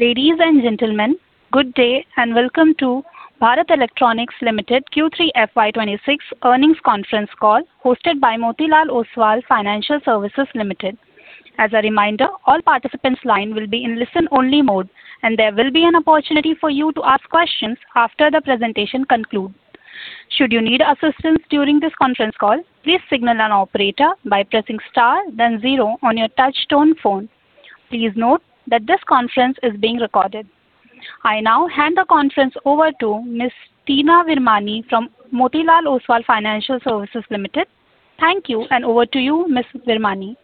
Ladies and gentlemen, good day, and welcome to Bharat Electronics Limited Q3 FY 2026 earnings conference call, hosted by Motilal Oswal Financial Services Limited. As a reminder, all participants' line will be in listen-only mode, and there will be an opportunity for you to ask questions after the presentation conclude. Should you need assistance during this conference call, please signal an operator by pressing star, then zero on your touchtone phone. Please note that this conference is being recorded. I now hand the conference over to Ms. Tina Virmani from Motilal Oswal Financial Services Limited. Thank you, and over to you, Ms. Virmani.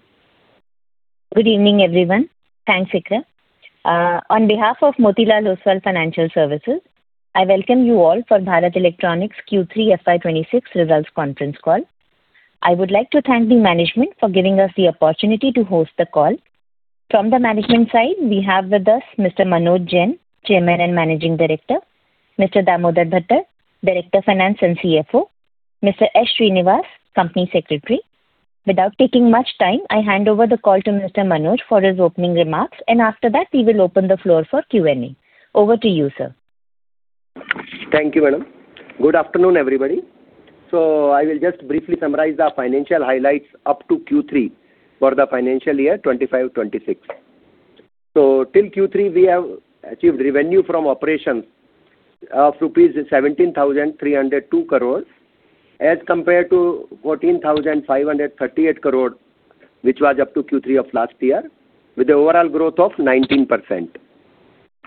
Good evening, everyone. Thanks, Ikra. On behalf of Motilal Oswal Financial Services, I welcome you all for Bharat Electronics Q3 FY 2026 results conference call. I would like to thank the management for giving us the opportunity to host the call. From the management side, we have with us Mr. Manoj Jain, Chairman and Managing Director, Mr. Damodar Bhattad, Director, Finance and CFO, Mr. S. Srinivas, Company Secretary. Without taking much time, I hand over the call to Mr. Manoj for his opening remarks, and after that, we will open the floor for Q&A. Over to you, sir. Thank you, madam. Good afternoon, everybody. I will just briefly summarize the financial highlights up to Q3 for the financial year 2025-2026. Till Q3, we have achieved revenue from operations of 17,302 crore rupees, as compared to 14,538 crore, which was up to Q3 of last year, with the overall growth of 19%.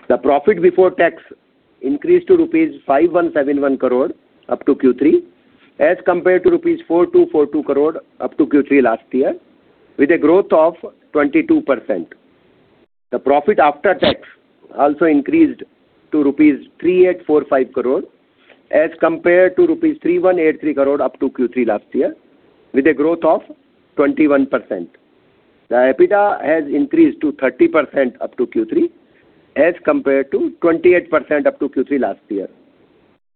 The profit before tax increased to rupees 5,171 crore up to Q3, as compared to rupees 4,242 crore up to Q3 last year, with a growth of 22%. The profit after tax also increased to rupees 3,845 crore, as compared to rupees 3,183 crore up to Q3 last year, with a growth of 21%. The EBITDA has increased to 30% up to Q3, as compared to 28% up to Q3 last year.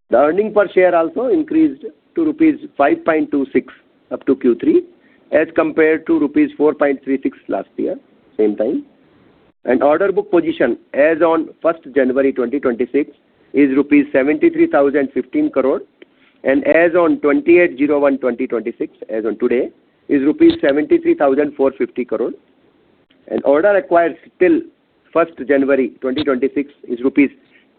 The earnings per share also increased to rupees 5.26 up to Q3, as compared to rupees 4.36 last year, same time. Order book position as on January 1, 2026, is rupees 73,015 crore, and as on 28/01/2026, as on today, is rupees 73,450 crore. Order acquired till January 1, 2026 is rupees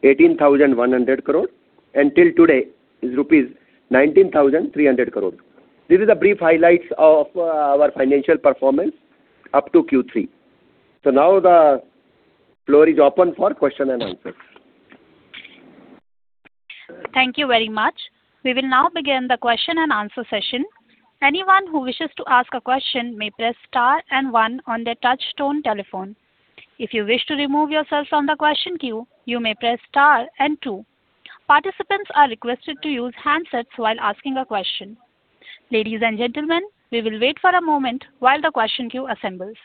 18,100 crore, and till today is rupees 19,300 crore. This is the brief highlights of our financial performance up to Q3. Now the floor is open for question and answer. Thank you very much. We will now begin the question and answer session. Anyone who wishes to ask a question may press star and one on their touchtone telephone. If you wish to remove yourself from the question queue, you may press star and two. Participants are requested to use handsets while asking a question. Ladies and gentlemen, we will wait for a moment while the question queue assembles.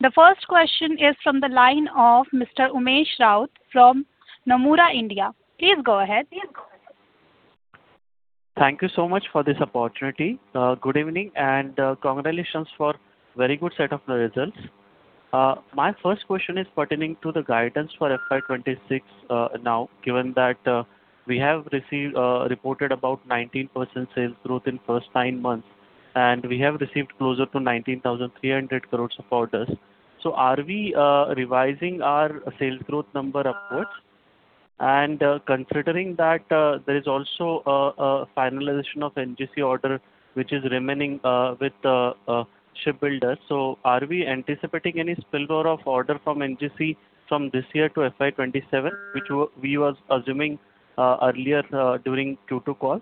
The first question is from the line of Mr. Umesh Raut from Nomura India. Please go ahead. Thank you so much for this opportunity. Good evening, and congratulations for very good set of results. My first question is pertaining to the guidance for FY 2026, now, given that we have received reported about 19% sales growth in first nine months, and we have received closer to 19,300 crore of orders. So are we revising our sales growth number upwards? And considering that there is also a finalization of NGC order, which is remaining with the shipbuilder. So are we anticipating any spillover of order from NGC from this year to FY 2027, which w-we were assuming earlier during Q2 call?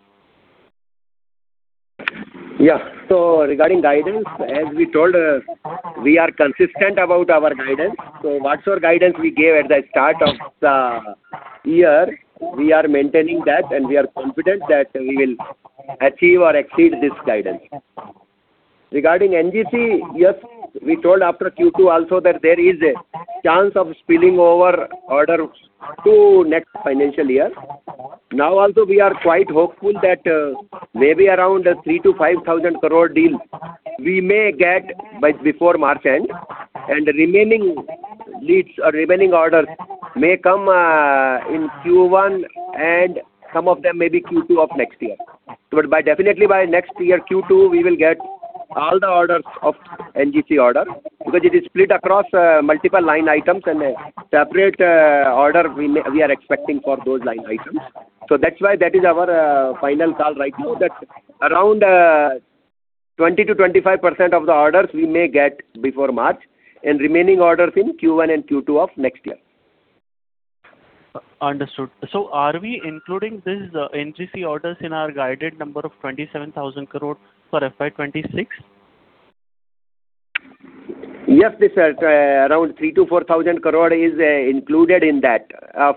Yeah. So regarding guidance, as we told, we are consistent about our guidance. So whatsoever guidance we gave at the start of the year, we are maintaining that, and we are confident that we will achieve or exceed this guidance. Regarding NGC, yes, we told after Q2 also that there is a chance of spilling over orders to next financial year. Now also, we are quite hopeful that maybe around 3,000 crore-5,000 crore deal, we may get by before March end, and the remaining leads or remaining orders may come in Q1, and some of them may be Q2 of next year. But by, definitely by next year, Q2, we will get all the orders of NGC order, because it is split across multiple line items and a separate order we may, we are expecting for those line items. So that's why that is our final call right now, that around 20%-25% of the orders we may get before March, and remaining orders in Q1 and Q2 of next year. Understood. So are we including these NGC orders in our guided number of 27,000 crore for FY 2026? Yes, this, around 3,000-4,000 crore is, included in that,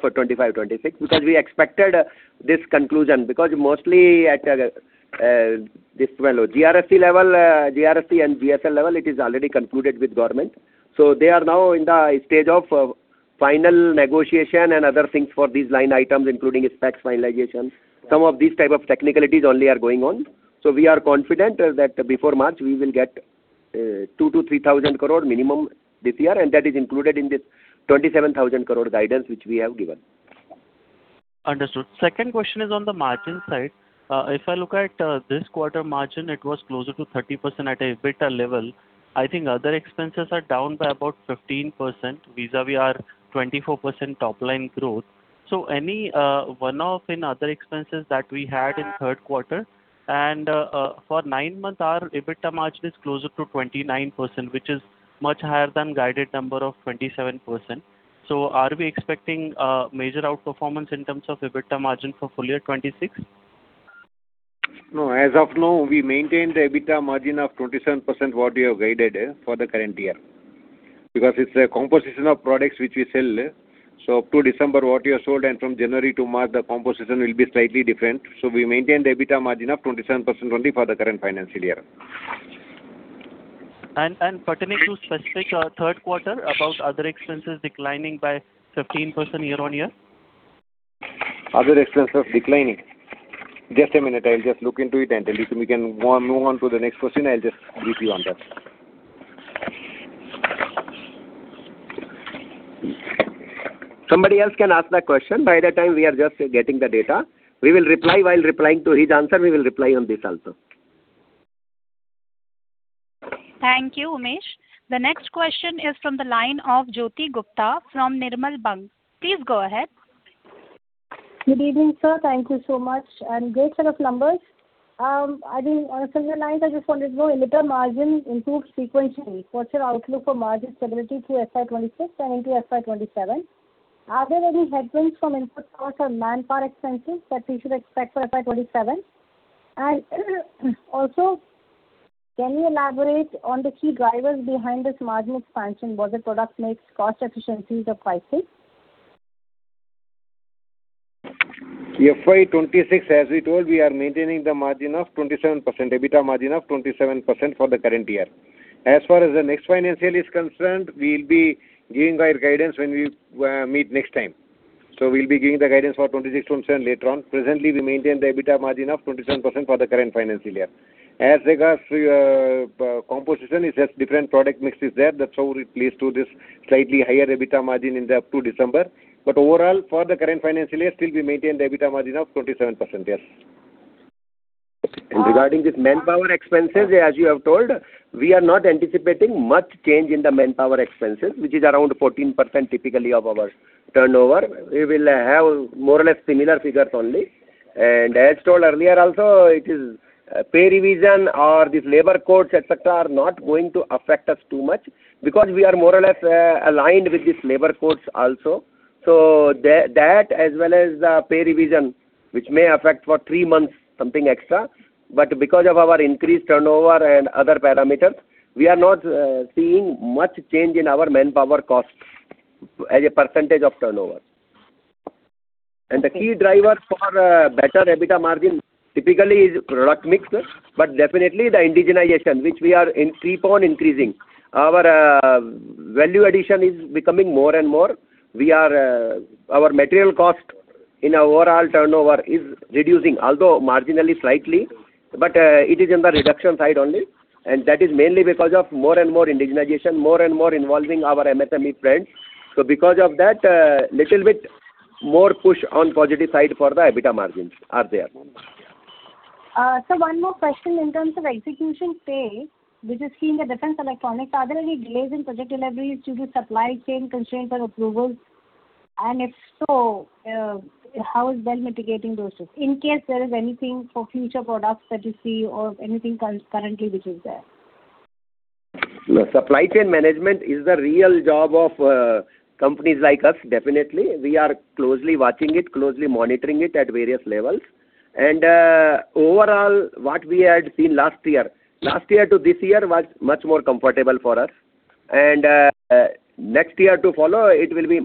for 25, 26, because we expected this conclusion. Because mostly at, this well, GRSE level, GRSE and GSL level, it is already concluded with government. So they are now in the stage of, final negotiation and other things for these line items, including specs finalization. Some of these type of technicalities only are going on. So we are confident that before March, we will get, 2,000-3,000 crore minimum this year, and that is included in this 27,000 crore guidance, which we have given. Understood. Second question is on the margin side. If I look at this quarter margin, it was closer to 30% at EBITDA level. I think other expenses are down by about 15%, vis-a-vis our 24% top line growth. So any one-off in other expenses that we had in third quarter and for nine months, our EBITDA margin is closer to 29%, which is much higher than guided number of 27%. So are we expecting a major outperformance in terms of EBITDA margin for full year 2026? No, as of now, we maintain the EBITDA margin of 27%, what we have guided for the current year. Because it's a composition of products which we sell. So up to December, what we have sold, and from January to March, the composition will be slightly different. So we maintain the EBITDA margin of 27% only for the current financial year. Pertaining to specific third quarter about other expenses declining by 15% year-on-year? Other expenses declining? Just a minute, I'll just look into it and tell you. So we can move on, move on to the next question. I'll just brief you on that. Somebody else can ask that question. By the time we are just getting the data. We will reply. While replying to his answer, we will reply on this also. Thank you, Umesh. The next question is from the line of Jyoti Gupta from Nirmal Bang. Please go ahead. Good evening, sir. Thank you so much, and great set of numbers. I mean, so your lines, I just wanted to know, EBITDA margin improved sequentially. What's your outlook for margin stability through FY 2026 and into FY 2027? Are there any headwinds from input costs or manpower expenses that we should expect for FY 2027? And also, can you elaborate on the key drivers behind this margin expansion? Was it product mix, cost efficiencies, or pricing? FY 2026, as we told, we are maintaining the margin of 27%, EBITDA margin of 27% for the current year. As far as the next financial is concerned, we'll be giving our guidance when we meet next time. So we'll be giving the guidance for 2026, 2027 later on. Presently, we maintain the EBITDA margin of 27% for the current financial year. As regards to composition, it's just different product mix is there. That's how we placed to this slightly higher EBITDA margin in the up to December. But overall, for the current financial year, still we maintain the EBITDA margin of 27%. Yes. Regarding this manpower expenses, as you have told, we are not anticipating much change in the manpower expenses, which is around 14% typically of our turnover. We will have more or less similar figures only. And as told earlier also, it is, pay revision or this labor costs, et cetera, are not going to affect us too much because we are more or less, aligned with this labor costs also. So that, as well as the pay revision, which may affect for three months, something extra, but because of our increased turnover and other parameters, we are not, seeing much change in our manpower cost as a percentage of turnover. And the key driver for, better EBITDA margin typically is product mix, but definitely the indigenization, which we are in keep on increasing. Our, value addition is becoming more and more. Our material cost in our overall turnover is reducing, although marginally, slightly, but, it is in the reduction side only, and that is mainly because of more and more indigenization, more and more involving our MSME friends. So because of that, little bit more push on positive side for the EBITDA margins are there. So one more question in terms of execution pace, which is seen in the defense electronics. Are there any delays in project deliveries due to supply chain constraints or approvals? And if so, how is BEL mitigating those risks? In case there is anything for future products that you see or anything currently, which is there. Look, supply chain management is the real job of companies like us, definitely. We are closely watching it, closely monitoring it at various levels. Overall, what we had seen last year, last year to this year was much more comfortable for us. Next year to follow, it will be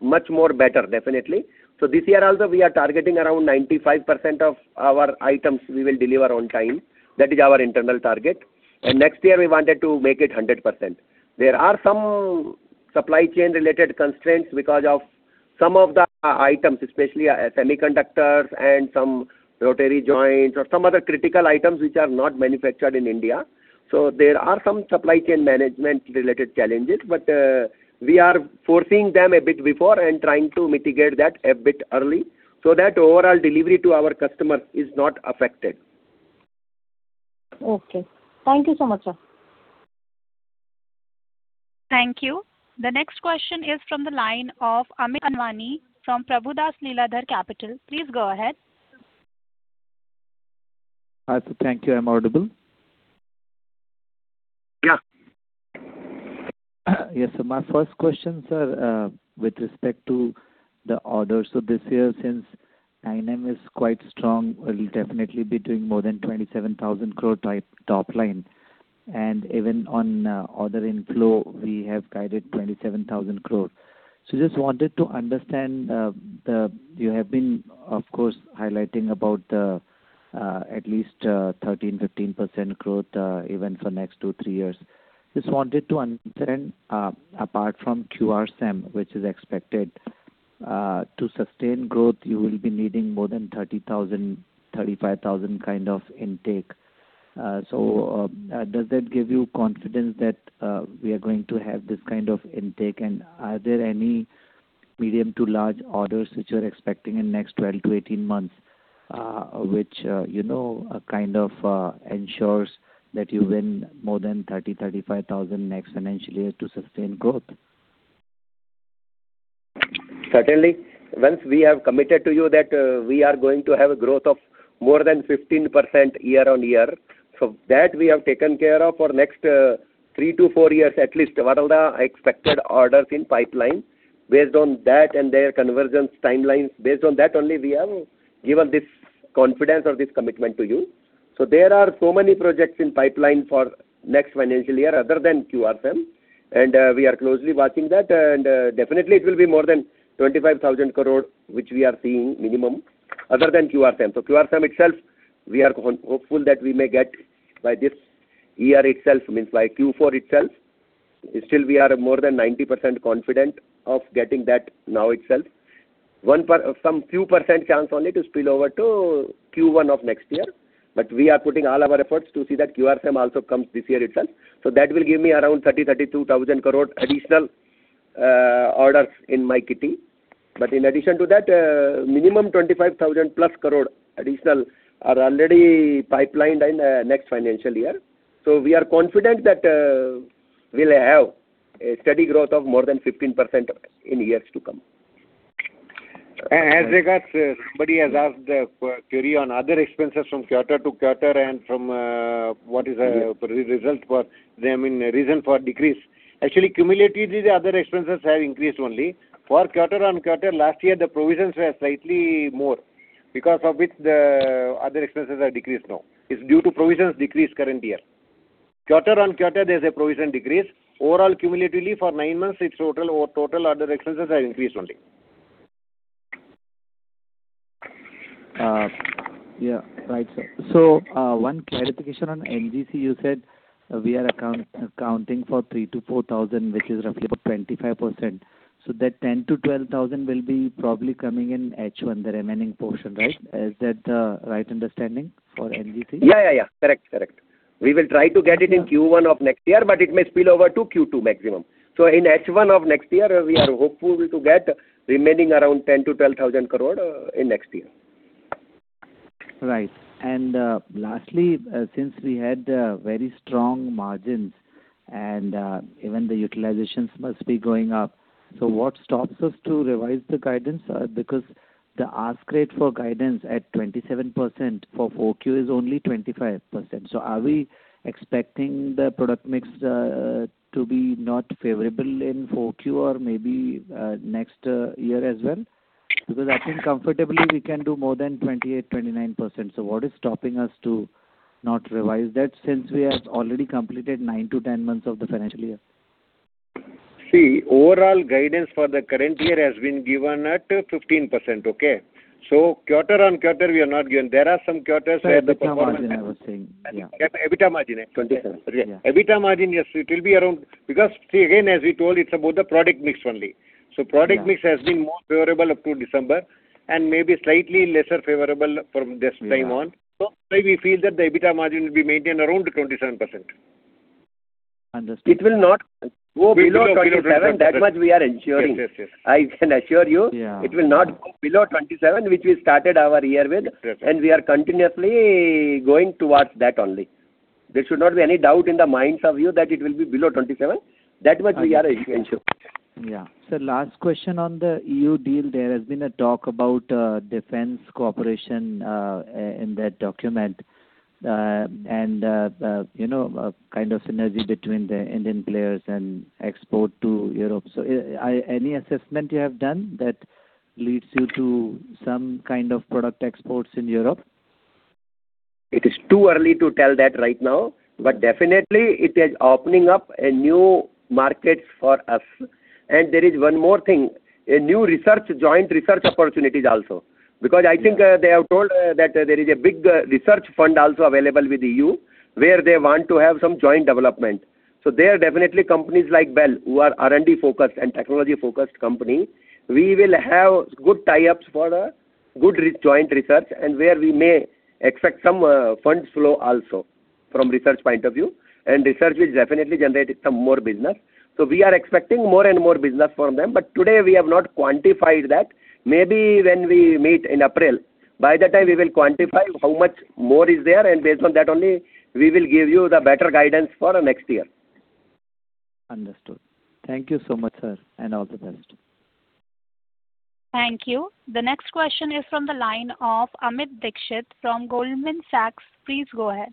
much more better, definitely. This year also, we are targeting around 95% of our items we will deliver on time. That is our internal target. Next year, we wanted to make it 100%. There are some supply chain related constraints because of some of the items, especially, semiconductors and some rotary joints or some other critical items which are not manufactured in India. There are some supply chain management related challenges, but we are foreseeing them a bit before and trying to mitigate that a bit early, so that overall delivery to our customer is not affected. Okay. Thank you so much, sir. Thank you. The next question is from the line of Amit Anwani from Prabhudas Lilladher Capital. Please go ahead. Hi, sir. Thank you. I'm audible? Yeah. Yes, so my first question, sir, with respect to the orders. So this year, since 9M is quite strong, we'll definitely be doing more than 27,000 crore type top line. And even on order inflow, we have guided 27,000 crore. So just wanted to understand, you have been, of course, highlighting about the at least 13%-15% growth even for next two, three years. Just wanted to understand, apart from QRSAM, which is expected to sustain growth, you will be needing more than 30,000-35,000 kind of intake. So, does that give you confidence that we are going to have this kind of intake? Are there any medium to large orders which you're expecting in next 12 to 18 months, which, you know, kind of, ensures that you win more than 30-35 thousand next financial year to sustain growth? Certainly. Once we have committed to you that we are going to have a growth of more than 15% year-on-year, so that we have taken care of for next 3 to 4 years at least, what are the expected orders in pipeline. Based on that and their convergence timelines, based on that only, we have given this confidence or this commitment to you. So there are so many projects in pipeline for next financial year other than QRSAM, and we are closely watching that, and definitely it will be more than 25,000 crore, which we are seeing minimum other than QRSAM. So QRSAM itself, we are hopeful that we may get by this year itself, means by Q4 itself. Still, we are more than 90% confident of getting that now itself. Some few percent chance only to spill over to Q1 of next year, but we are putting all our efforts to see that QRSAM also comes this year itself. So that will give me around 30,000-32,000 crore additional orders in my kitty. But in addition to that, minimum 25,000+ crore additional are already pipelined in the next financial year. So we are confident that, we'll have a steady growth of more than 15% in years to come. As regards, somebody has asked a query on other expenses from quarter to quarter, and from what is the result for them, I mean, reason for decrease. Actually, cumulatively, the other expenses have increased only. For quarter on quarter, last year, the provisions were slightly more, because of which the other expenses are decreased now. It's due to provisions decreased current year. Quarter on quarter, there's a provision decrease. Overall, cumulatively, for nine months, its total other expenses are increased only. Yeah, right, sir. So, one clarification on NGC. You said we are accounting for 3,000-4,000, which is roughly about 25%. So that 10,000-12,000 will probably be coming in H1, the remaining portion, right? Is that the right understanding for NGC? Yeah, yeah, yeah. Correct, correct. We will try to get it in Q1 of next year, but it may spill over to Q2 maximum. So in H1 of next year, we are hopeful to get remaining around 10,000 crore-12,000 crore in next year. Right. And, lastly, since we had very strong margins and even the utilizations must be going up, so what stops us to revise the guidance? Because the EBITDA for guidance at 27% for Q4 is only 25%. So are we expecting the product mix to be not favorable in Q4 or maybe next year as well? Because I think comfortably we can do more than 28%, 29%. So what is stopping us to not revise that, since we have already completed 9 to 10 months of the financial year? See, overall guidance for the current year has been given at 15%, okay? So quarter-on-quarter, we have not given. There are some quarters where the performance- EBITDA margin, I was saying, yeah. EBITDA margin, eh? Twenty-seven, yeah. EBITDA margin, yes, it will be around, because, see, again, as we told, it's about the product mix only. Yeah. Product mix has been more favorable up to December, and maybe slightly lesser favorable from this time on. Yeah. We feel that the EBITDA margin will be maintained around 27%. Understood. It will not go below 27. That much we are ensuring. Yes, yes, yes. I can assure you- Yeah. -it will not go below 27, which we started our year with. Yes. We are continuously going towards that only. There should not be any doubt in the minds of you that it will be below 27. Understood. That much we are ensuring. Yeah. Sir, last question on the EU deal. There has been a talk about defense cooperation in that document, and the, you know, kind of synergy between the Indian players and export to Europe. So, any assessment you have done that leads you to some kind of product exports in Europe? It is too early to tell that right now, but definitely it is opening up a new market for us. There is one more thing, a new research, joint research opportunities also. Yeah. Because I think, they have told, that there is a big, research fund also available with EU, where they want to have some joint development. So there are definitely companies like BEL, who are R&D focused and technology focused company. We will have good tie-ups for a good joint research, and where we may expect some, funds flow also from research point of view, and research will definitely generate some more business. So we are expecting more and more business from them, but today we have not quantified that. Maybe when we meet in April, by that time, we will quantify how much more is there, and based on that only, we will give you the better guidance for next year. Understood. Thank you so much, sir, and all the best. Thank you. The next question is from the line of Amit Dixit from Goldman Sachs. Please go ahead.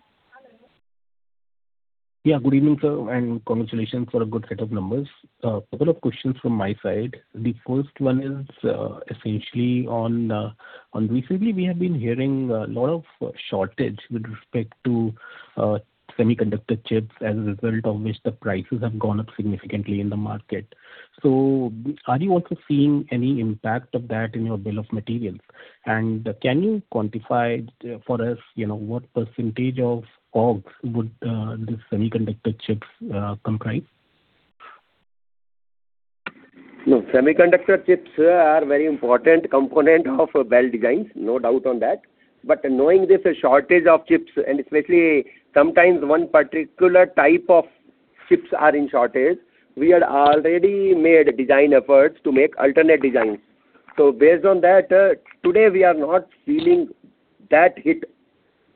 Yeah, good evening, sir, and congratulations for a good set of numbers. A couple of questions from my side. The first one is essentially on recently we have been hearing a lot of shortage with respect to semiconductor chips, as a result of which the prices have gone up significantly in the market. So are you also seeing any impact of that in your bill of materials? And can you quantify for us, you know, what percentage of COGS would the semiconductor chips comprise? No, semiconductor chips are very important component of BEL designs, no doubt on that. But knowing there's a shortage of chips, and especially sometimes one particular type of chips are in shortage, we had already made design efforts to make alternate designs. So based on that, today we are not feeling that hit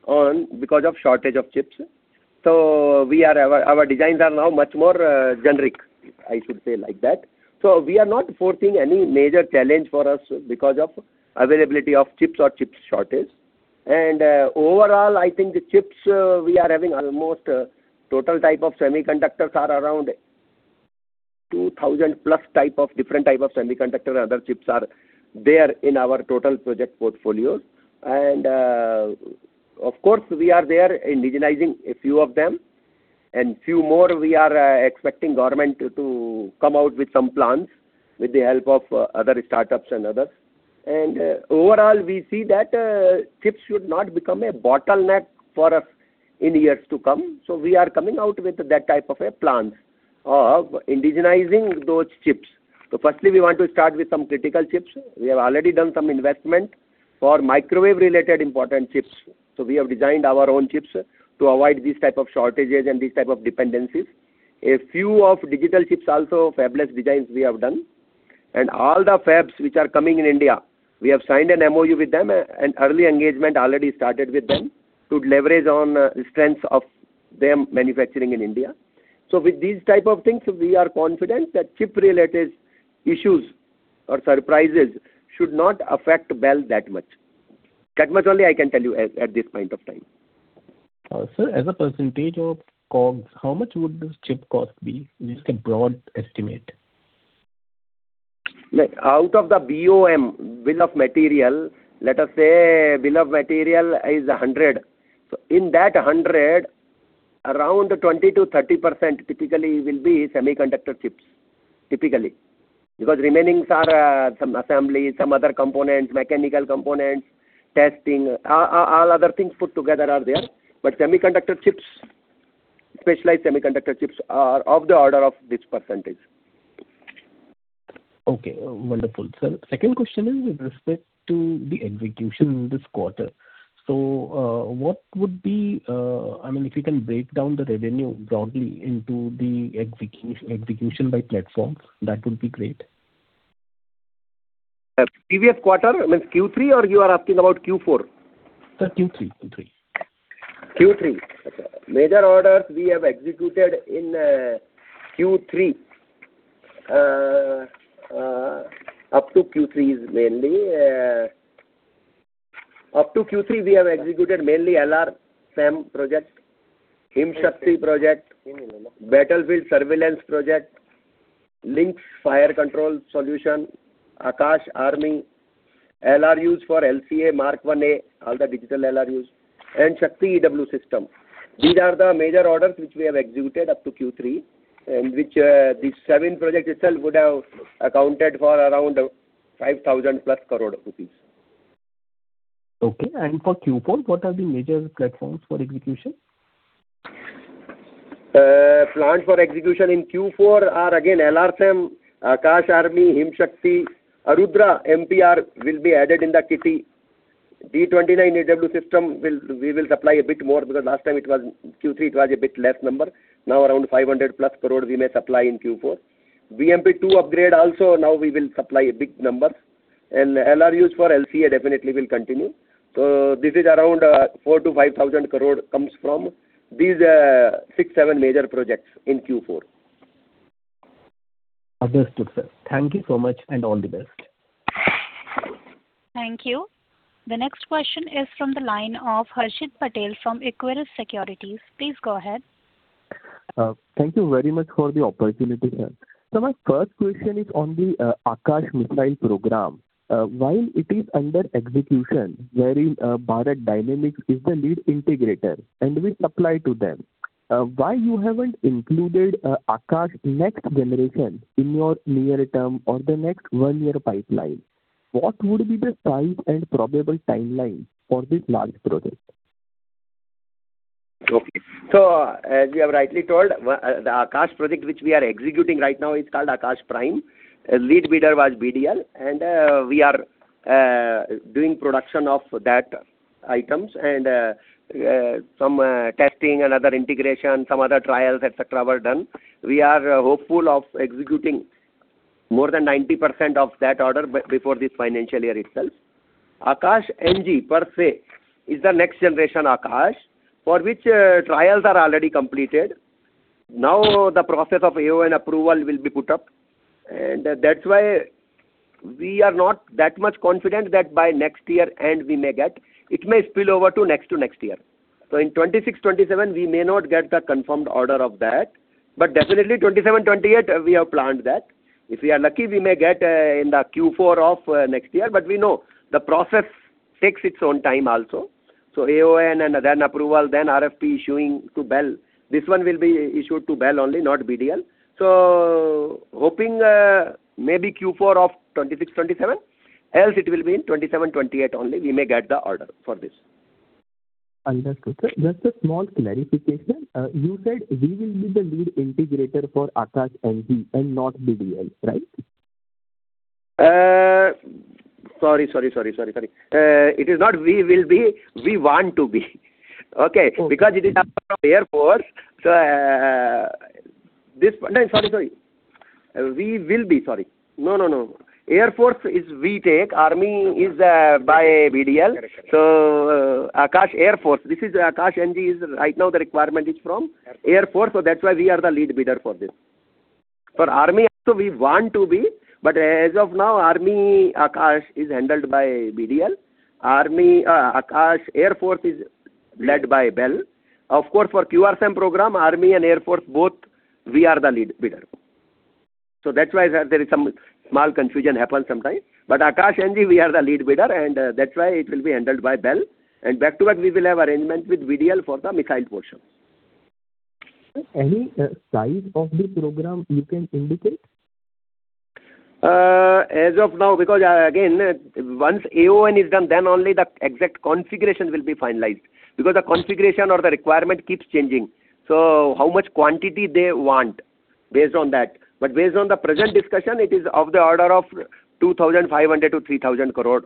on because of shortage of chips. So we are—our designs are now much more generic, I should say, like that. So we are not foreseeing any major challenge for us because of availability of chips or chips shortage. And overall, I think the chips, we are having almost total types of semiconductors are around 2,000 plus types of—different types of semiconductor and other chips are there in our total project portfolio. Of course, we are there indigenizing a few of them, and few more we are expecting government to come out with some plans with the help of other startups and others. And overall, we see that chips should not become a bottleneck for us in years to come, so we are coming out with that type of a plan of indigenizing those chips. So firstly, we want to start with some critical chips. We have already done some investment for microwave-related important chips. So we have designed our own chips to avoid these type of shortages and these type of dependencies. A few of digital chips also, fabless designs we have done. And all the fabs which are coming in India, we have signed an MOU with them, and early engagement already started with them to leverage on the strength of them manufacturing in India. With these type of things, we are confident that chip-related issues or surprises should not affect BEL that much. That much only I can tell you at this point of time. Sir, as a percentage of COGS, how much would this chip cost be? Just a broad estimate. Like, out of the BOM, bill of material, let us say bill of material is 100. So in that 100, around 20%-30% typically will be semiconductor chips, typically. Because remaining are some assembly, some other components, mechanical components, testing, all other things put together are there. But semiconductor chips, specialized semiconductor chips, are of the order of this percentage. Okay, wonderful, sir. Second question is with respect to the execution this quarter. So, what would be, I mean, if you can break down the revenue broadly into the execution, execution by platforms, that would be great. Previous quarter, means Q3, or you are asking about Q4? Sir, Q3, Q3. Q3. Okay. Major orders we have executed in Q3. Up to Q3 is mainly. Up to Q3, we have executed mainly LRSAM project, Himshakti project, Battlefield Surveillance project, Lynx Fire Control System, Akash Army, LRUs for LCA Mark 1A, all the digital LRUs, and Shakti EW system. These are the major orders which we have executed up to Q3, and which these seven projects itself would have accounted for around 5,000+ crore rupees. Okay. For Q4, what are the major platforms for execution? Plans for execution in Q4 are again LRSAM, Akash Army, Himshakti, Arudhra MPR will be added in the kitty. D-29 EW system will we will supply a bit more, because last time it was Q3, it was a bit less number. Now, around INR 500+ crore we may supply in Q4. BMP-2 upgrade also, now we will supply a big number. And LRUs for LCA definitely will continue. So this is around 4,000-5,000 crore comes from these six, seven major projects in Q4. Understood, sir. Thank you so much, and all the best. Thank you. The next question is from the line of Harshit Patel from Equirus Securities. Please go ahead. Thank you very much for the opportunity, sir. So my first question is on the Akash missile program. While it is under execution, wherein Bharat Dynamics is the lead integrator, and we supply to them, why you haven't included Akash next generation in your near term or the next one-year pipeline? What would be the price and probable timeline for this large project? Okay. So as you have rightly told, the Akash project, which we are executing right now, is called Akash Prime. Lead bidder was BDL, and we are doing production of that items and some testing and other integration, some other trials, et cetera, were done. We are hopeful of executing more than 90% of that order before this financial year itself. Akash NG, per se, is the next generation Akash, for which trials are already completed. Now, the process of AoN approval will be put up, and that's why we are not that much confident that by next year end we may get. It may spill over to next to next year. So in 2026, 2027, we may not get the confirmed order of that, but definitely 2027, 2028, we have planned that. If we are lucky, we may get, in the Q4 of next year, but we know the process takes its own time also. So AoN and then approval, then RFP issuing to BEL. This one will be issued to BEL only, not BDL. So hoping, maybe Q4 of 2026, 2027. Else it will be in 2027, 2028 only we may get the order for this. Understood, sir. Just a small clarification. You said we will be the lead integrator for Akash NG and not BDL, right? Sorry. It is not we will be, we want to be. Okay. Okay. Because it is Air Force, so, no, sorry, sorry. We will be, sorry. No, no, no. Air Force is we take, Army is by BDL. Correct. So Akash Air Force, this is Akash NG, is right now the requirement is from Air Force, so that's why we are the lead bidder for this. For Army also, we want to be, but as of now, Army Akash is handled by BDL. Army, Akash Air Force is led by BEL. Of course, for QRSAM program, Army and Air Force, both, we are the lead bidder. So that's why there is some small confusion happens sometime. But Akash NG, we are the lead bidder, and, that's why it will be handled by BEL. And back to back, we will have arrangement with BDL for the missile portion. Sir, any size of the program you can indicate? As of now, because, again, once AoN is done, then only the exact configuration will be finalized. Because the configuration or the requirement keeps changing. So how much quantity they want, based on that. But based on the present discussion, it is of the order of 2,500 crore-3,000 crore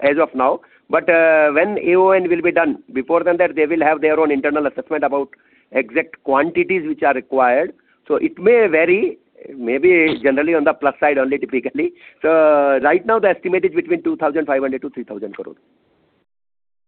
as of now. But, when AoN will be done, before then that they will have their own internal assessment about exact quantities which are required. So it may vary, maybe generally on the plus side only, typically. So right now, the estimate is between 2,500 crore-3,000 crore.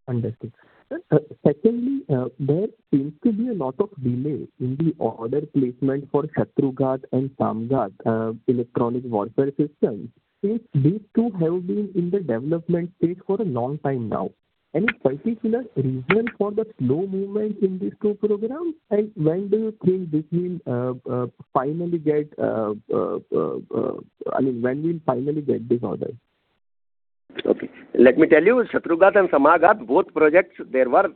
Understood. Sir, secondly, there seems to be a lot of delay in the order placement for Shatrughat and Samghat, electronic warfare systems. Since these two have been in the development stage for a long time now, any particular reason for the slow movement in these two programs? And when do you think this will finally get. I mean, when we'll finally get these orders? Okay. Let me tell you, Shatrughat and Samghat, both projects, there were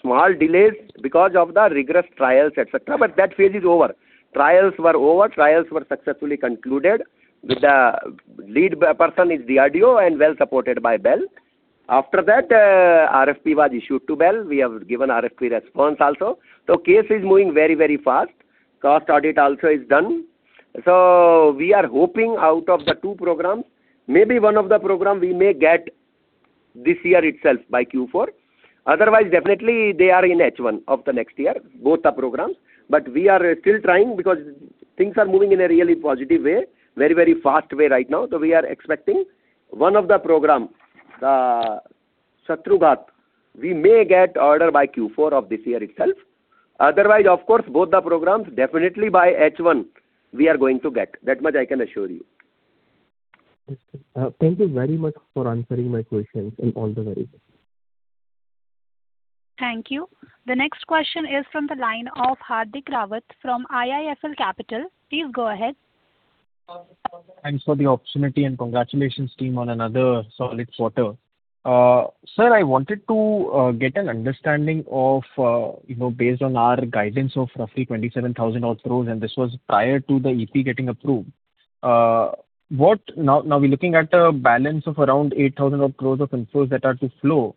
small delays because of the rigorous trials, et cetera, but that phase is over. Trials were over, trials were successfully concluded. The lead person is DRDO and well supported by BEL. After that, RFP was issued to BEL. We have given RFP response also. So case is moving very, very fast. Cost audit also is done. So we are hoping out of the two programs, maybe one of the program we may get this year itself by Q4. Otherwise, definitely they are in H1 of the next year, both the programs. But we are still trying because things are moving in a really positive way, very, very fast way right now. So we are expecting one of the program, the Shatrughat, we may get order by Q4 of this year itself. Otherwise, of course, both the programs, definitely by H1, we are going to get. That much I can assure you. Thank you very much for answering my questions in all the ways. Thank you. The next question is from the line of Hardik Rawat from IIFL Capital. Please go ahead. Thanks for the opportunity, and congratulations, team, on another solid quarter. Sir, I wanted to get an understanding of, you know, based on our guidance of roughly 27,000 crore, and this was prior to the EP getting approved. Now, now we're looking at a balance of around 8,000 crore of inflows that are to flow.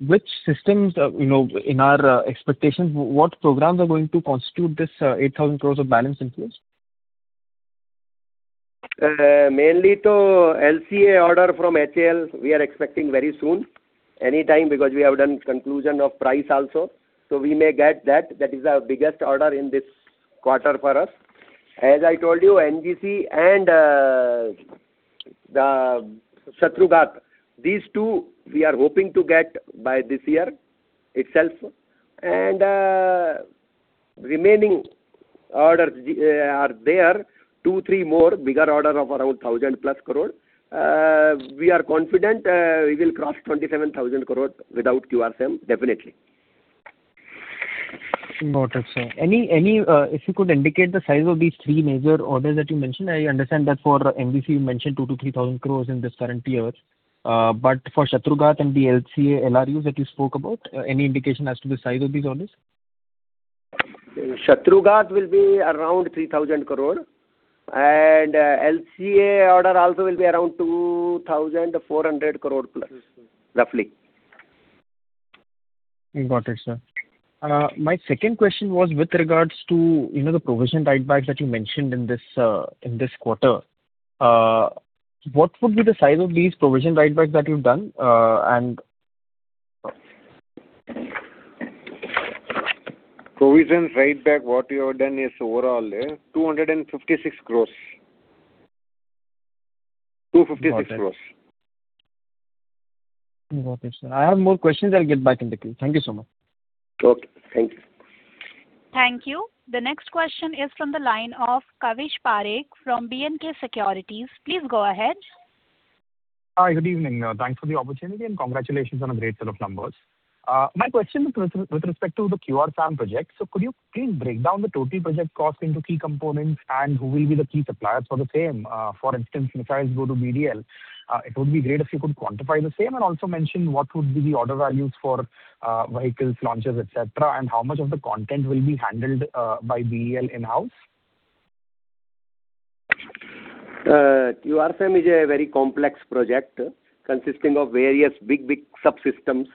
Which systems, you know, in our expectations, what programs are going to constitute this, 8,000 crore of balance inflows? Mainly to LCA order from HAL, we are expecting very soon, anytime, because we have done conclusion of price also. So we may get that. That is our biggest order in this quarter for us. As I told you, NGC and the Shatrughat, these two we are hoping to get by this year itself. And remaining orders are there, two, three more bigger order of around 1,000+ crore. We are confident we will cross 27,000 crore without QRSAM, definitely. Got it, sir. Any, any, if you could indicate the size of these three major orders that you mentioned. I understand that for NGC, you mentioned 2,000-3,000 crore in this current year. But for Shatrughat and the LCA LRUs that you spoke about, any indication as to the size of these orders? Shatrughat will be around 3,000 crore, and, LCA order also will be around 2,400 crore plus, roughly. Got it, sir. My second question was with regards to, you know, the provision write-backs that you mentioned in this quarter. What would be the size of these provision write-backs that you've done, and- Provision write-back, what we have done is overall, 256 crore. 256 crore. Got it, sir. I have more questions. I'll get back in the queue. Thank you so much. Okay, thank you. Thank you. The next question is from the line of Kavish Parekh from BNK Securities. Please go ahead. Hi, good evening. Thanks for the opportunity, and congratulations on a great set of numbers. My question is with respect to the QR-SAM project. So could you please break down the total project cost into key components, and who will be the key suppliers for the same? For instance, missiles go to BDL. It would be great if you could quantify the same, and also mention what would be the order values for vehicles, launchers, et cetera, and how much of the content will be handled by BEL in-house? QR-SAM is a very complex project consisting of various big, big subsystems,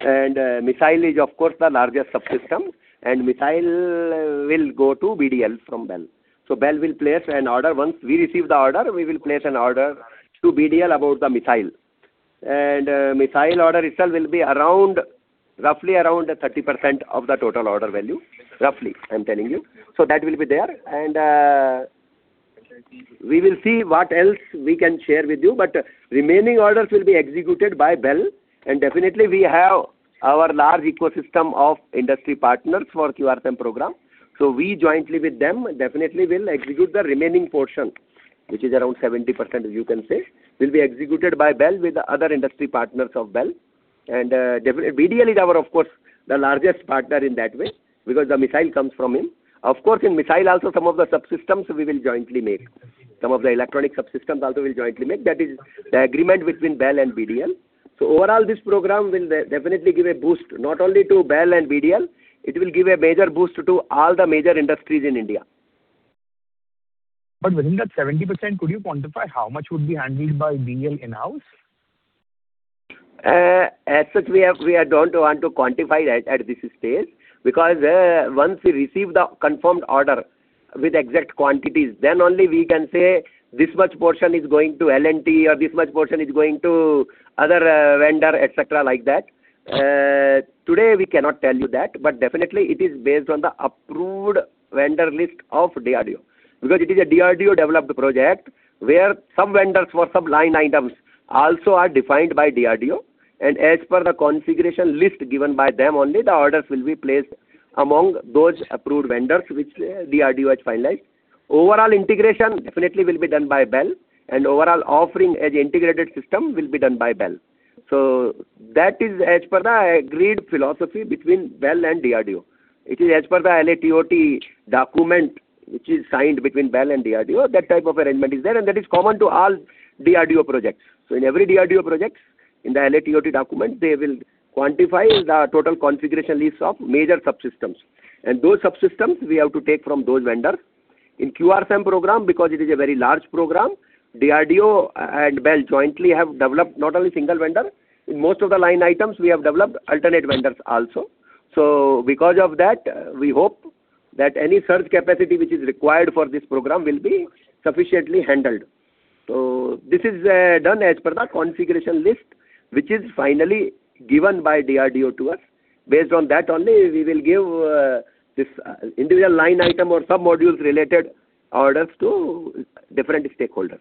and missile is, of course, the largest subsystem, and missile will go to BDL from BEL. So BEL will place an order. Once we receive the order, we will place an order to BDL about the missile. And missile order itself will be around, roughly around 30% of the total order value. Roughly, I'm telling you. So that will be there. And we will see what else we can share with you, but remaining orders will be executed by BEL. And definitely, we have our large ecosystem of industry partners for QR-SAM program. So we jointly with them, definitely will execute the remaining portion, which is around 70%, as you can say, will be executed by BEL with the other industry partners of BEL. BDL is our, of course, the largest partner in that way, because the missile comes from him. Of course, in missile also, some of the subsystems we will jointly make. Some of the electronic subsystems also we'll jointly make. That is the agreement between BEL and BDL. So overall, this program will definitely give a boost, not only to BEL and BDL, it will give a major boost to all the major industries in India. But within that 70%, could you quantify how much would be handled by BEL in-house? As such, we have-- we don't want to quantify that at this stage, because, once we receive the confirmed order with exact quantities, then only we can say, "This much portion is going to L&T, or this much portion is going to other, vendor," et cetera, like that. Today, we cannot tell you that, but definitely it is based on the approved vendor list of DRDO. Because it is a DRDO-developed project, where some vendors for some line items also are defined by DRDO, and as per the configuration list given by them only, the orders will be placed among those approved vendors which DRDO has finalized. Overall integration definitely will be done by BEL, and overall offering as an integrated system will be done by BEL. So that is as per the agreed philosophy between BEL and DRDO. It is as per the LATOT document, which is signed between BEL and DRDO. That type of arrangement is there, and that is common to all DRDO projects. So in every DRDO projects, in the LATOT document, they will quantify the total configuration lists of major subsystems, and those subsystems we have to take from those vendors. In QR-SAM program, because it is a very large program, DRDO and BEL jointly have developed not only single vendor. In most of the line items, we have developed alternate vendors also. So because of that, we hope that any surge capacity which is required for this program will be sufficiently handled. So this is done as per the configuration list, which is finally given by DRDO to us. Based on that only, we will give this individual line item or submodules related orders to different stakeholders.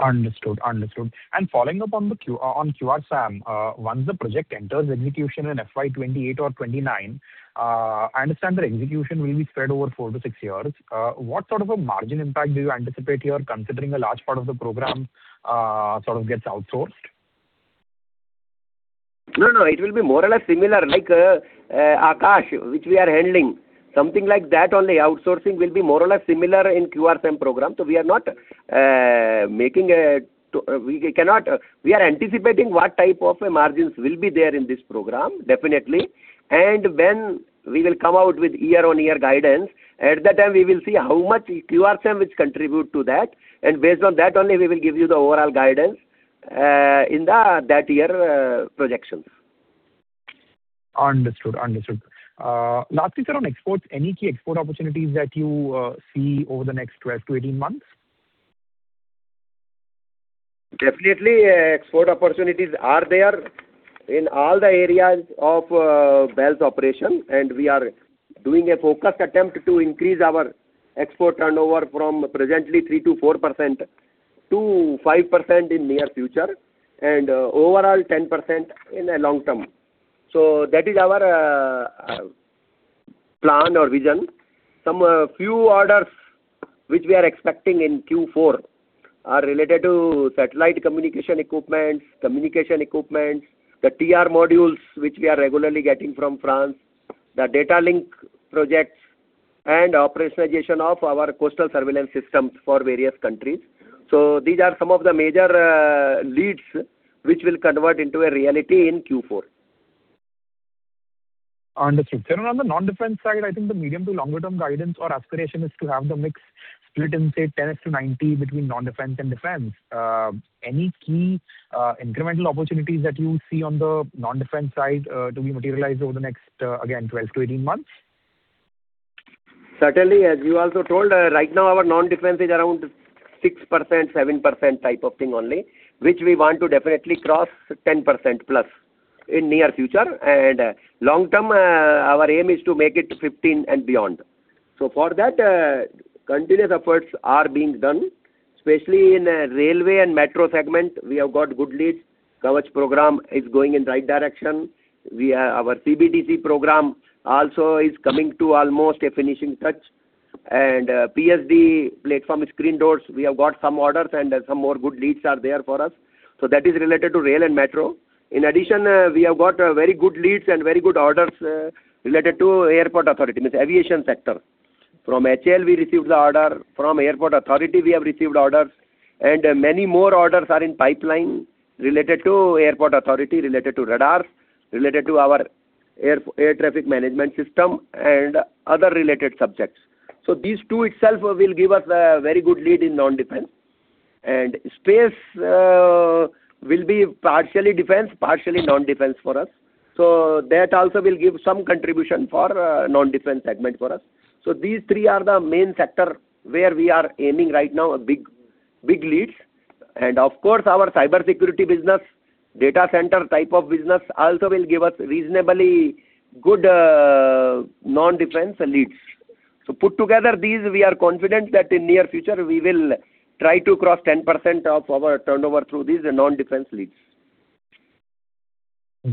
Understood. Understood. And following up on the Q, on QRSAM, once the project enters execution in FY 2028 or 2029, I understand the execution will be spread over 4-6 years. What sort of a margin impact do you anticipate here, considering a large part of the program sort of gets outsourced? No, no, it will be more or less similar, like, Akash, which we are handling. Something like that only. Outsourcing will be more or less similar in QRSAM program. So we are not, we cannot, We are anticipating what type of a margins will be there in this program, definitely. And when we will come out with year-on-year guidance, at that time we will see how much QRSAM is contribute to that, and based on that only, we will give you the overall guidance, in the, that year, projections. Understood. Understood. Lastly, sir, on exports, any key export opportunities that you see over the next 12-18 months? Definitely, export opportunities are there in all the areas of BEL's operation, and we are doing a focused attempt to increase our export turnover from presently 3%-4% to 5% in near future, and overall 10% in the long term. So that is our plan or vision. Some few orders which we are expecting in Q4 are related to satellite communication equipments, communication equipments, the TR modules which we are regularly getting from France, the data link projects, and operationalization of our coastal surveillance systems for various countries. So these are some of the major leads which will convert into a reality in Q4. Understood. Sir, on the non-defense side, I think the medium to longer term guidance or aspiration is to have the mix split in, say, 10 to 90 between non-defense and defense. Any key, incremental opportunities that you see on the non-defense side, to be materialized over the next, again, 12 to 18 months? Certainly, as you also told, right now, our non-defense is around 6%, 7% type of thing only, which we want to definitely cross 10%+ in near future. And, long term, our aim is to make it 15 and beyond. So for that, continuous efforts are being done, especially in, railway and metro segment, we have got good leads. Kavach program is going in right direction. We, our CBTC program also is coming to almost a finishing touch. And, PSD platform screen doors, we have got some orders, and some more good leads are there for us. So that is related to rail and metro. In addition, we have got, very good leads and very good orders, related to Airports Authority of India, means aviation sector. From HAL, we received the order, from airport authority we have received orders, and many more orders are in pipeline related to airport authority, related to radars, related to our air traffic management system and other related subjects. So these two itself will give us a very good lead in non-defense. And space will be partially defense, partially non-defense for us. So that also will give some contribution for non-defense segment for us. So these three are the main sector where we are aiming right now, a big, big leads. And of course, our cybersecurity business, data center type of business, also will give us reasonably good non-defense leads. So put together these, we are confident that in near future we will try to cross 10% of our turnover through these non-defense leads.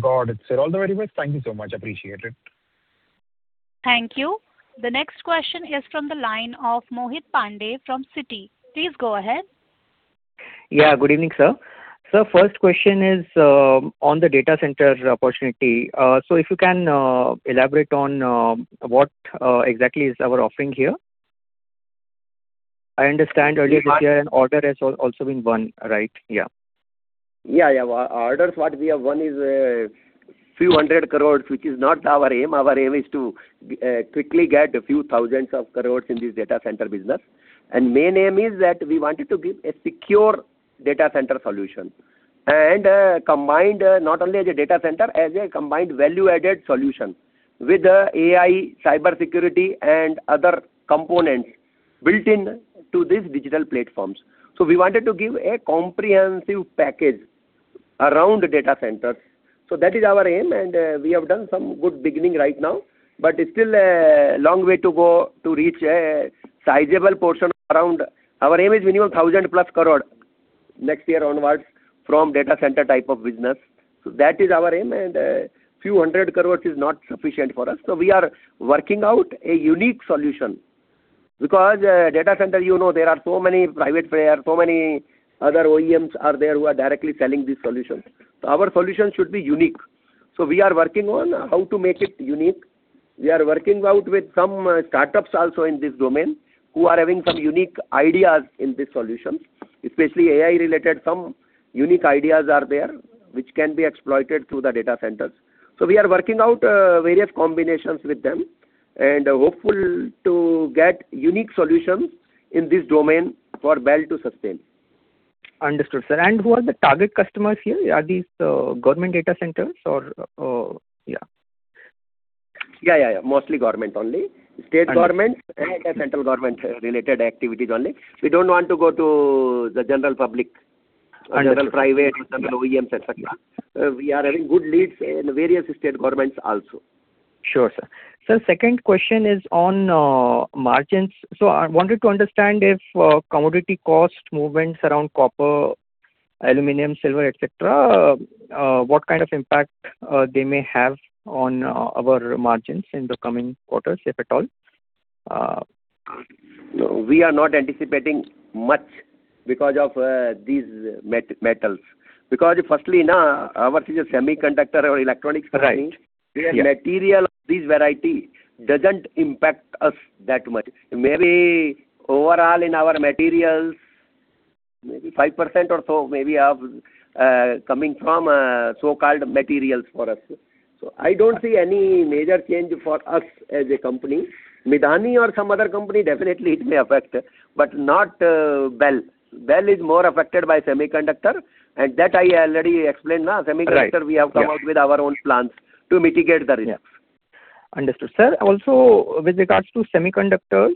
Got it, sir. All the very best. Thank you so much. Appreciate it. Thank you. The next question is from the line of Mohit Pandey from Citi. Please go ahead. Yeah, good evening, sir. Sir, first question is on the data center opportunity. So if you can elaborate on what exactly is our offering here? I understand earlier this year an order has also been won, right? Yeah. Yeah, yeah. Orders what we have won is INR few hundred crores, which is not our aim. Our aim is to quickly get a few thousands of crores in this data center business. And main aim is that we wanted to give a secure data center solution, and combined, not only as a data center, as a combined value-added solution with AI, cybersecurity, and other components built in to these digital platforms. So we wanted to give a comprehensive package around data centers. So that is our aim, and we have done some good beginning right now. But it's still a long way to go to reach a sizable portion around. Our aim is minimum 1,000+ INR crore next year onwards from data center type of business. So that is our aim, and few hundred crores is not sufficient for us. So we are working out a unique solution. Because, data center, you know, there are so many private player, so many other OEMs are there who are directly selling these solutions. So our solution should be unique. So we are working on how to make it unique. We are working out with some, startups also in this domain, who are having some unique ideas in this solution, especially AI-related, some unique ideas are there, which can be exploited through the data centers. So we are working out, various combinations with them, and hopeful to get unique solutions in this domain for BEL to sustain. Understood, sir. And who are the target customers here? Are these government data centers or yeah? Yeah, yeah, yeah, mostly government only. Understood. State governments and central government-related activities only. We don't want to go to the general public- Understood. Or general private or general OEMs, et cetera. We are having good leads in various state governments also. Sure, sir. Sir, second question is on margins. So I wanted to understand if commodity cost movements around copper, aluminum, silver, et cetera, what kind of impact they may have on our margins in the coming quarters, if at all? We are not anticipating much because of these metals. Because firstly, ours is a semiconductor or electronics company. Right. Yeah. Material of these variety doesn't impact us that much. Maybe overall in our materials, maybe 5% or so, maybe of, coming from, so-called materials for us. So I don't see any major change for us as a company. MIDHANI or some other company, definitely it may affect, but not, BEL. BEL is more affected by semiconductor, and that I already explained, na? Right. Semiconductor, we have come out- Yeah -with our own plans to mitigate the risk. Yeah. Understood. Sir, also with regards to semiconductors,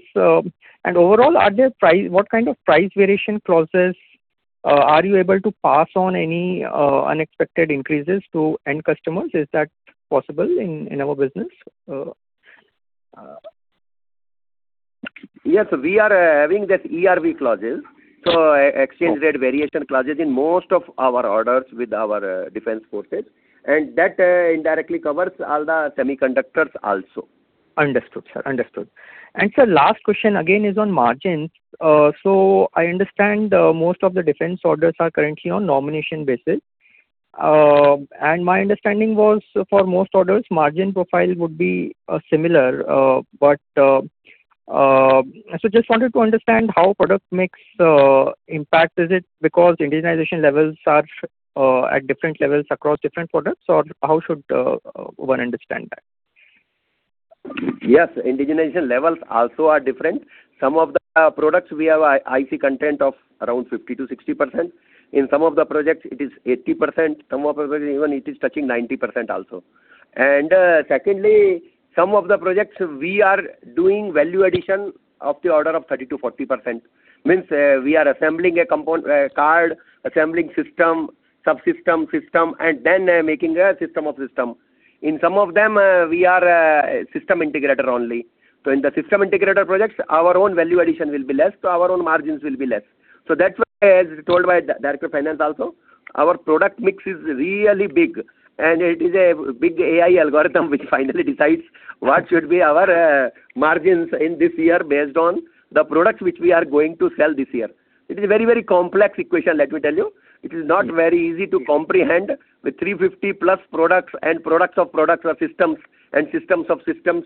and overall, are there price—what kind of price variation clauses are you able to pass on any unexpected increases to end customers? Is that possible in our business? Yes, we are having that ERV clauses- Mm-hmm. So, exchange rate variation clauses in most of our orders with our defense forces, and that indirectly covers all the semiconductors also. Understood, sir. Understood. And sir, last question again is on margins. So I understand most of the defense orders are currently on nomination basis. And my understanding was for most orders, margin profile would be similar, but so just wanted to understand how product mix impacts. Is it because indigenization levels are at different levels across different products, or how should one understand that? Yes, indigenization levels also are different. Some of the products we have IC content of around 50%-60%. In some of the projects, it is 80%. Some of them, even it is touching 90% also. And, secondly, some of the projects we are doing value addition of the order of 30%-40%. Means, we are assembling a component, card, assembling subsystem, system, and then, making a system of system. In some of them, we are a system integrator only. So in the system integrator projects, our own value addition will be less, so our own margins will be less. So that's why, as told by the director of finance also, our product mix is really big, and it is a big AI algorithm which finally decides what should be our margins in this year based on the products which we are going to sell this year. It is a very, very complex equation, let me tell you. It is not very easy to comprehend. With 350+ products and products of products of systems and systems of systems,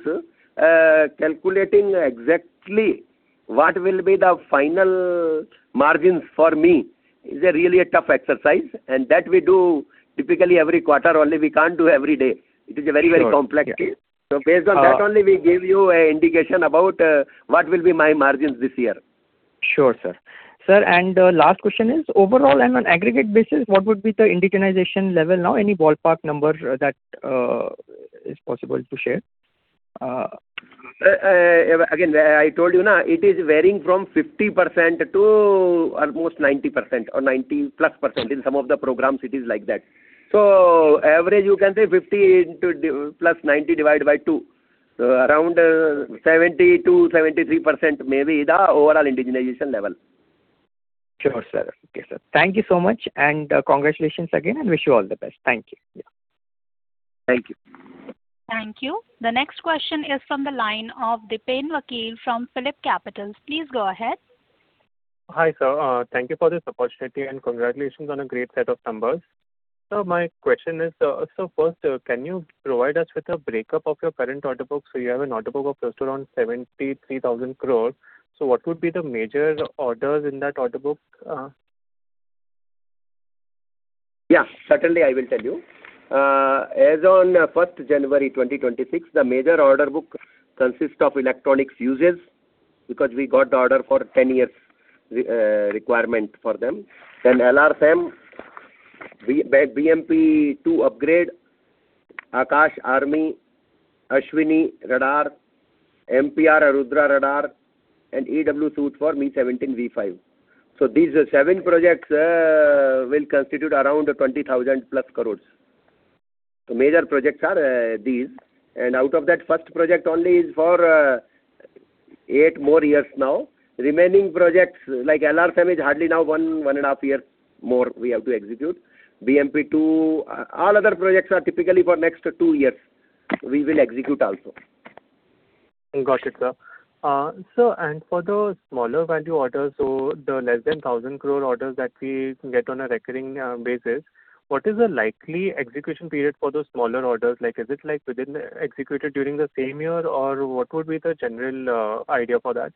calculating exactly what will be the final margins for me is really a tough exercise, and that we do typically every quarter only, we can't do every day. Sure. Yeah. It is a very, very complex thing. Uh- So based on that only, we give you an indication about what will be my margins this year. Sure, sir. Sir, and the last question is, overall and on aggregate basis, what would be the indigenization level now? Any ballpark number that is possible to share? Again, where I told you, na, it is varying from 50% to almost 90% or 90+%. In some of the programs, it is like that. So average, you can say 50 plus 90 divided by 2. So around, 70 to 73% may be the overall indigenization level. Sure, sir. Okay, sir. Thank you so much, and congratulations again, and wish you all the best. Thank you. Yeah. Thank you. Thank you. The next question is from the line of Dipen Wakil from PhillipCapital. Please go ahead. Hi, sir. Thank you for this opportunity, and congratulations on a great set of numbers. Sir, my question is, so first, can you provide us with a breakup of your current order book? So you have an order book of just around 73,000 crore. So what would be the major orders in that order book? Yeah, certainly, I will tell you. As on first January 2026, the major order book consists of electronic fuzes, because we got the order for 10 years requirement for them. Then LRSAM, BMP-2 upgrade, Akash Army, Ashwini Radar, Arudhra MPR, and EW suite for Mi-17V5. So these seven projects will constitute around 20,000+ crore. So major projects are these, and out of that first project only is for 8 more years now. Remaining projects, like LRSAM, is hardly now one and a half years more we have to execute. BMP-2, all other projects are typically for next 2 years, we will execute also. Got it, sir. Sir, and for those smaller value orders, so the less than 1,000 crore orders that we get on a recurring basis, what is the likely execution period for those smaller orders? Like, is it, like, within executed during the same year, or what would be the general idea for that?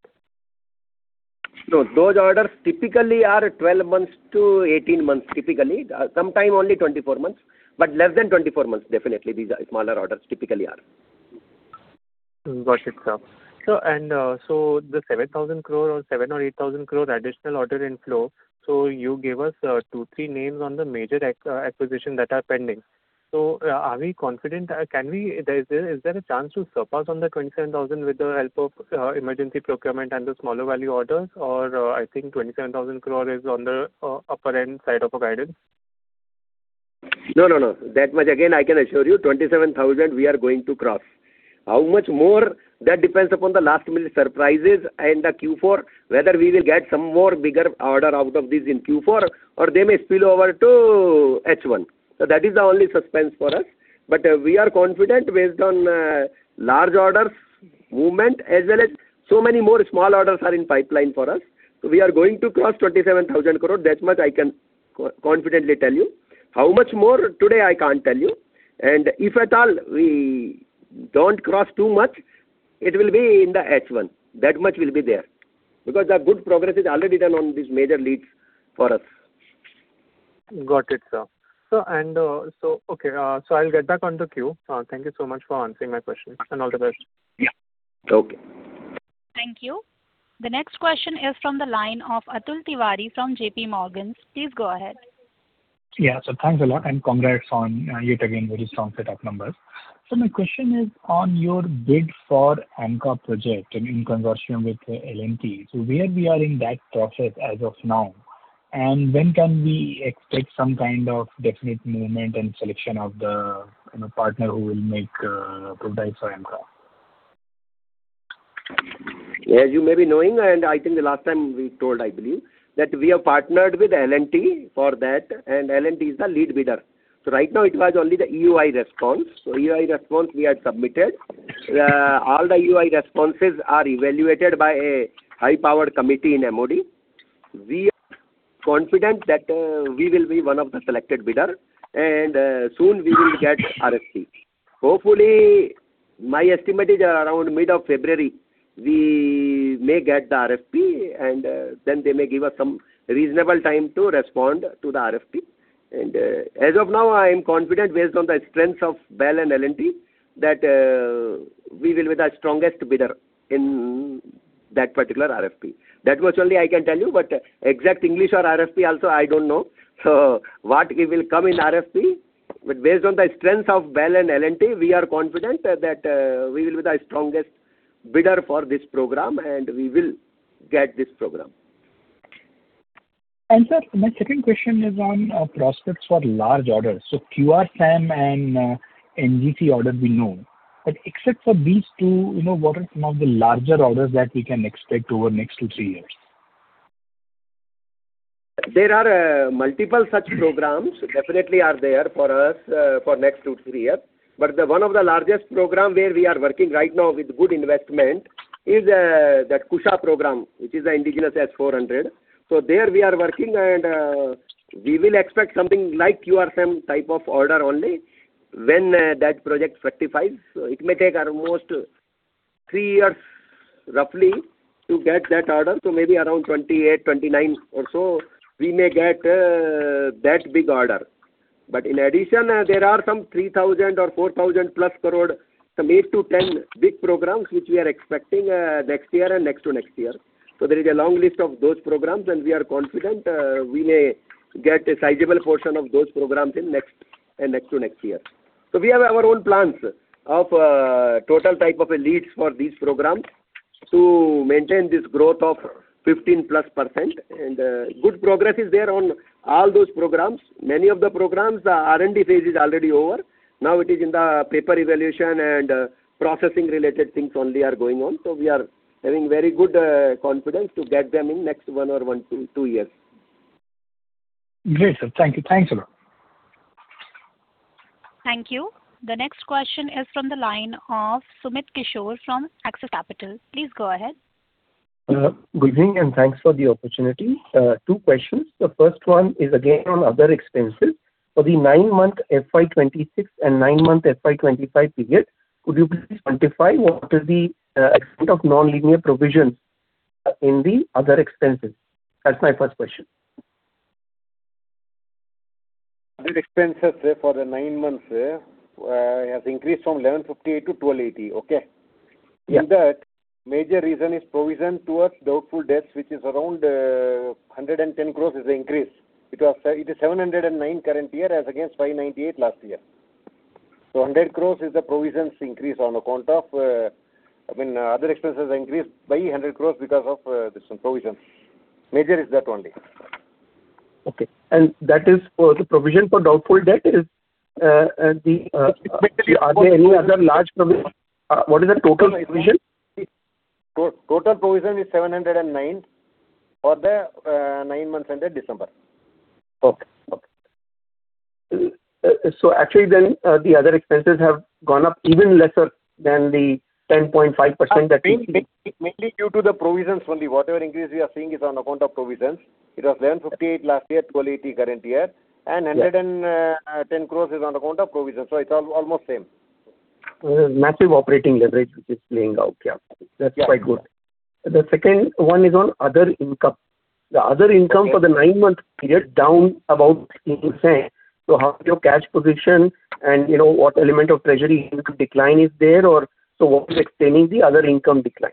So those orders typically are 12-18 months, typically. Sometimes only 24 months, but less than 24 months, definitely, these smaller orders typically are. Got it, sir. Sir, so the 7,000 crore or 8,000 crore additional order inflow, so you gave us two, three names on the major acquisition that are pending. So, are we confident? Is there a chance to surpass the 27,000 with the help of emergency procurement and the smaller value orders? Or, I think 27,000 crore is on the upper end side of a guidance. No, no, no. That much, again, I can assure you, 27,000 crore, we are going to cross. How much more? That depends upon the last-minute surprises and the Q4, whether we will get some more bigger order out of this in Q4, or they may spill over to H1. So that is the only suspense for us. But, we are confident based on, large orders, movement, as well as so many more small orders are in pipeline for us. So we are going to cross 27,000 crore. That much I can confidently tell you. How much more? Today, I can't tell you. And if at all we don't cross too much, it will be in the H1. That much will be there, because the good progress is already done on these major leads for us. Got it, sir. Sir, and so. Okay, so I'll get back on the queue. Thank you so much for answering my questions, and all the best. Yeah. Okay. Thank you. The next question is from the line of Atul Tiwari from J.P. Morgan. Please go ahead. Yeah. So thanks a lot, and congrats on yet again, very strong set of numbers. So my question is on your bid for AMCA project and in consortium with L&T. So where we are in that process as of now? And when can we expect some kind of definite movement and selection of the, you know, partner who will make prototypes for AMCA? As you may be knowing, and I think the last time we told, I believe, that we have partnered with L&T for that, and L&T is the lead bidder. So right now, it was only the EOI response. So EOI response we had submitted. All the EOI responses are evaluated by a high-powered committee in MOD. We are confident that, we will be one of the selected bidder, and, soon we will get RFP. Hopefully, my estimate is around mid of February, we may get the RFP, and, then they may give us some reasonable time to respond to the RFP. And, as of now, I am confident, based on the strength of BEL and L&T, that, we will be the strongest bidder in that particular RFP. That much only I can tell you, but exact timeline or RFP also, I don't know. So what, it will come in RFP, but based on the strength of BEL and L&T, we are confident that we will be the strongest bidder for this program, and we will get this program. And sir, my second question is on prospects for large orders. So QRSAM and NGC order we know, but except for these two, you know, what are some of the larger orders that we can expect over the next two to three years? There are multiple such programs definitely are there for us for next 2, 3 years. But the one of the largest program where we are working right now with good investment is that Kusha program, which is the indigenous S-400. So there we are working, and we will expect something like QR SAM type of order only when that project specifies. So it may take almost 3 years, roughly, to get that order, so maybe around 2028, 2029 or so, we may get that big order. But in addition, there are some 3,000 or 4,000+ crore, some 8-10 big programs, which we are expecting next year and next to next year. So there is a long list of those programs, and we are confident we may get a sizable portion of those programs in next and next to next year. So we have our own plans of total type of leads for these programs to maintain this growth of 15%+, and good progress is there on all those programs. Many of the programs, the R&D phase is already over. Now it is in the paper evaluation and processing related things only are going on, so we are having very good confidence to get them in next one or one to two years. Great, sir. Thank you. Thanks a lot. Thank you. The next question is from the line of Sumit Kishore from Axis Capital. Please go ahead. Good evening, and thanks for the opportunity. 2 questions. The first one is again on other expenses. For the nine-month FY 2026 and nine-month FY 2025 period, could you please quantify what is the extent of nonlinear provision in the other expenses? That's my first question. Other expenses for the nine months has increased from 11.58 to 12.80, okay? Yeah. In that, major reason is provision towards doubtful debts, which is around 110 crore is the increase. It is 709 crore current year, as against 598 crore last year. So 100 crore is the provisions increase on account of, I mean, other expenses increased by 100 crore because of this provision. Major is that only. Okay. And that is for the provision for doubtful debt is, the- Exactly. Are there any other large provision? What is the total provision? Total provision is 709 for the nine months ended December. So actually, then, the other expenses have gone up even lesser than the 10.5% that- Mainly, mainly due to the provisions only. Whatever increase we are seeing is on account of provisions. It was 1,158 last year, 1,280 current year. Yeah. 110 crore is on account of provisions, so it's almost same. Massive operating leverage, which is playing out, yeah. Yeah. That's quite good. The second one is on other income. The other income- Yes. -for the nine-month period, down about 16%. So how is your cash position, and, you know, what element of treasury income decline is there? Or, so what is explaining the other income decline?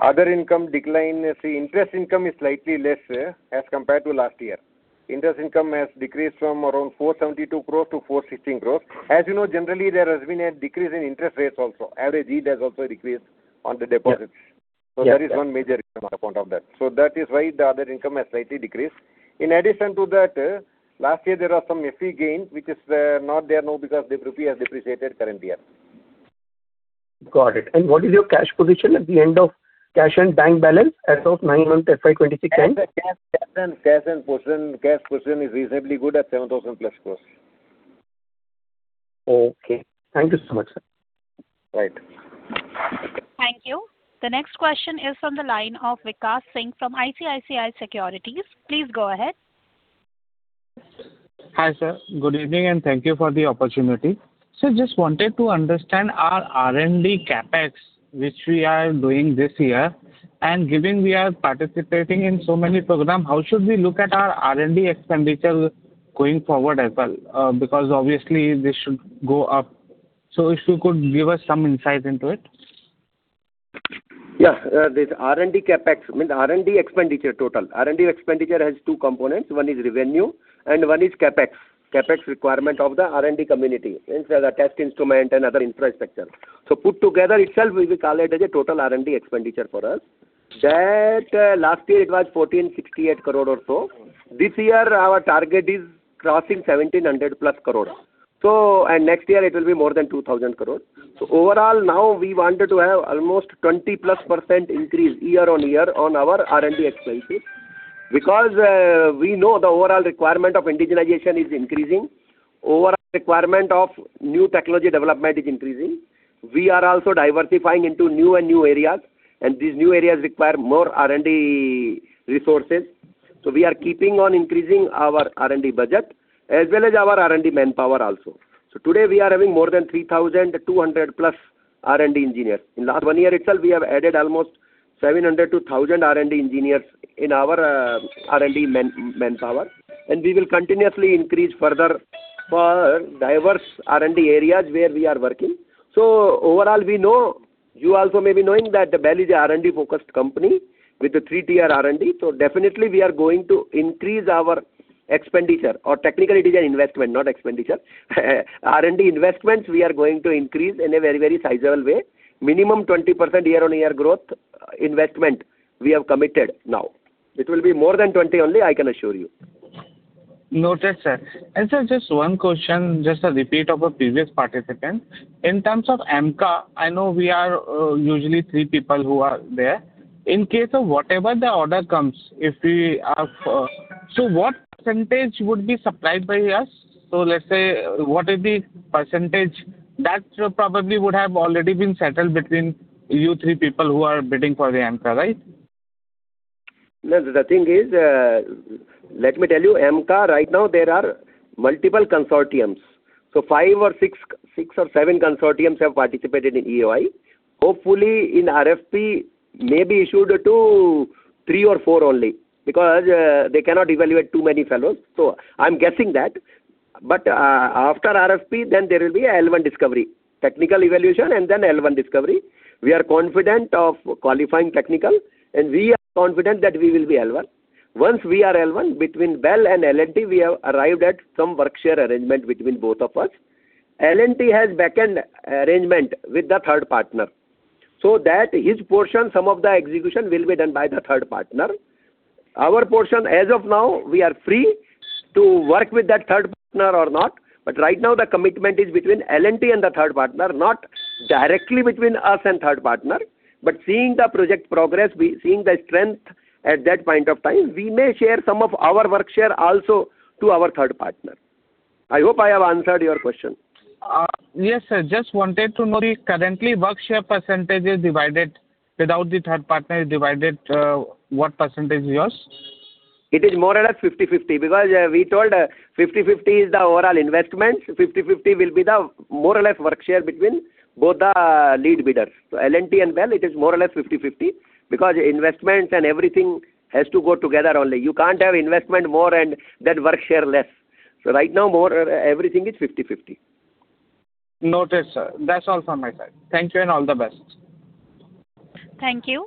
Other income decline, see, interest income is slightly less as compared to last year. Interest income has decreased from around 472 crores to 460 crores. As you know, generally, there has been a decrease in interest rates also. Average yield has also decreased on the deposits. Yeah. Yeah, yeah. So that is one major amount of that. So that is why the other income has slightly decreased. In addition to that, last year there are some FE gains, which is not there now because the rupee has depreciated current year. Got it. What is your cash position at the end of cash and bank balance as of 9-month FY 2026 end? Cash position is reasonably good at 7,000+ crores. Okay. Thank you so much, sir. Right. Thank you. The next question is from the line of Vikas Singh from ICICI Securities. Please go ahead. Hi, sir. Good evening, and thank you for the opportunity. Sir, just wanted to understand our R&D CapEx, which we are doing this year, and given we are participating in so many programs, how should we look at our R&D expenditure going forward as well? Because obviously, this should go up. So if you could give us some insight into it. Yeah, this R&D CapEx, mean the R&D expenditure, total. R&D expenditure has two components: one is revenue and one is CapEx, CapEx requirement of the R&D community. It's, the test instrument and other infrastructure. So put together itself, we will call it as a total R&D expenditure for us. That, last year it was 1,468 crore or so. This year, our target is crossing 1,700+ crore. So, and next year it will be more than 2,000 crore. So overall, now we wanted to have almost 20%+ increase year-on-year on our R&D expenses. Because, we know the overall requirement of indigenization is increasing, overall requirement of new technology development is increasing. We are also diversifying into new and new areas, and these new areas require more R&D resources. So we are keeping on increasing our R&D budget, as well as our R&D manpower also. So today, we are having more than 3,200+ R&D engineers. In last one year itself, we have added almost 700 to 1,000 R&D engineers in our, R&D manpower, and we will continuously increase further for diverse R&D areas where we are working. So overall, we know, you also may be knowing, that BEL is a R&D-focused company with a three-tier R&D, so definitely we are going to increase our R&D expenditure or technically it is an investment, not expenditure. R&D investments, we are going to increase in a very, very sizable way, minimum 20% year-on-year growth investment we have committed now. It will be more than 20 only, I can assure you. Noted, sir. And sir, just one question, just a repeat of a previous participant. In terms of AMCA, I know we are usually three people who are there. In case of whatever the order comes, if we are so what percentage would be supplied by us? So let's say, what is the percentage that probably would have already been settled between you three people who are bidding for the AMCA, right? No, the thing is, let me tell you, AMCA, right now there are multiple consortiums. So 5 or 6, 6 or 7 consortiums have participated in EOI. Hopefully, in RFP, may be issued to 3 or 4 only, because, they cannot evaluate too many fellows. So I'm guessing that. But, after RFP, then there will be a L1 discovery, technical evaluation, and then L1 discovery. We are confident of qualifying technical, and we are confident that we will be L1. Once we are L1, between BEL and L&T, we have arrived at some workshare arrangement between both of us. L&T has backend arrangement with the third partner, so that his portion, some of the execution will be done by the third partner. Our portion, as of now, we are free to work with that third partner or not, but right now the commitment is between L&T and the third partner, not directly between us and third partner. But seeing the project progress, seeing the strength at that point of time, we may share some of our workshare also to our third partner. I hope I have answered your question. Yes, sir. Just wanted to know, the current workshare percentage is divided, without the third partner is divided, what percentage is yours? It is more or less 50/50, because we told 50/50 is the overall investment. 50/50 will be the more or less workshare between both the lead bidders. So L&T and BEL, it is more or less 50/50, because investment and everything has to go together only. You can't have investment more and then workshare less. So right now, more, everything is 50/50. Noted, sir. That's all from my side. Thank you and all the best. Thank you.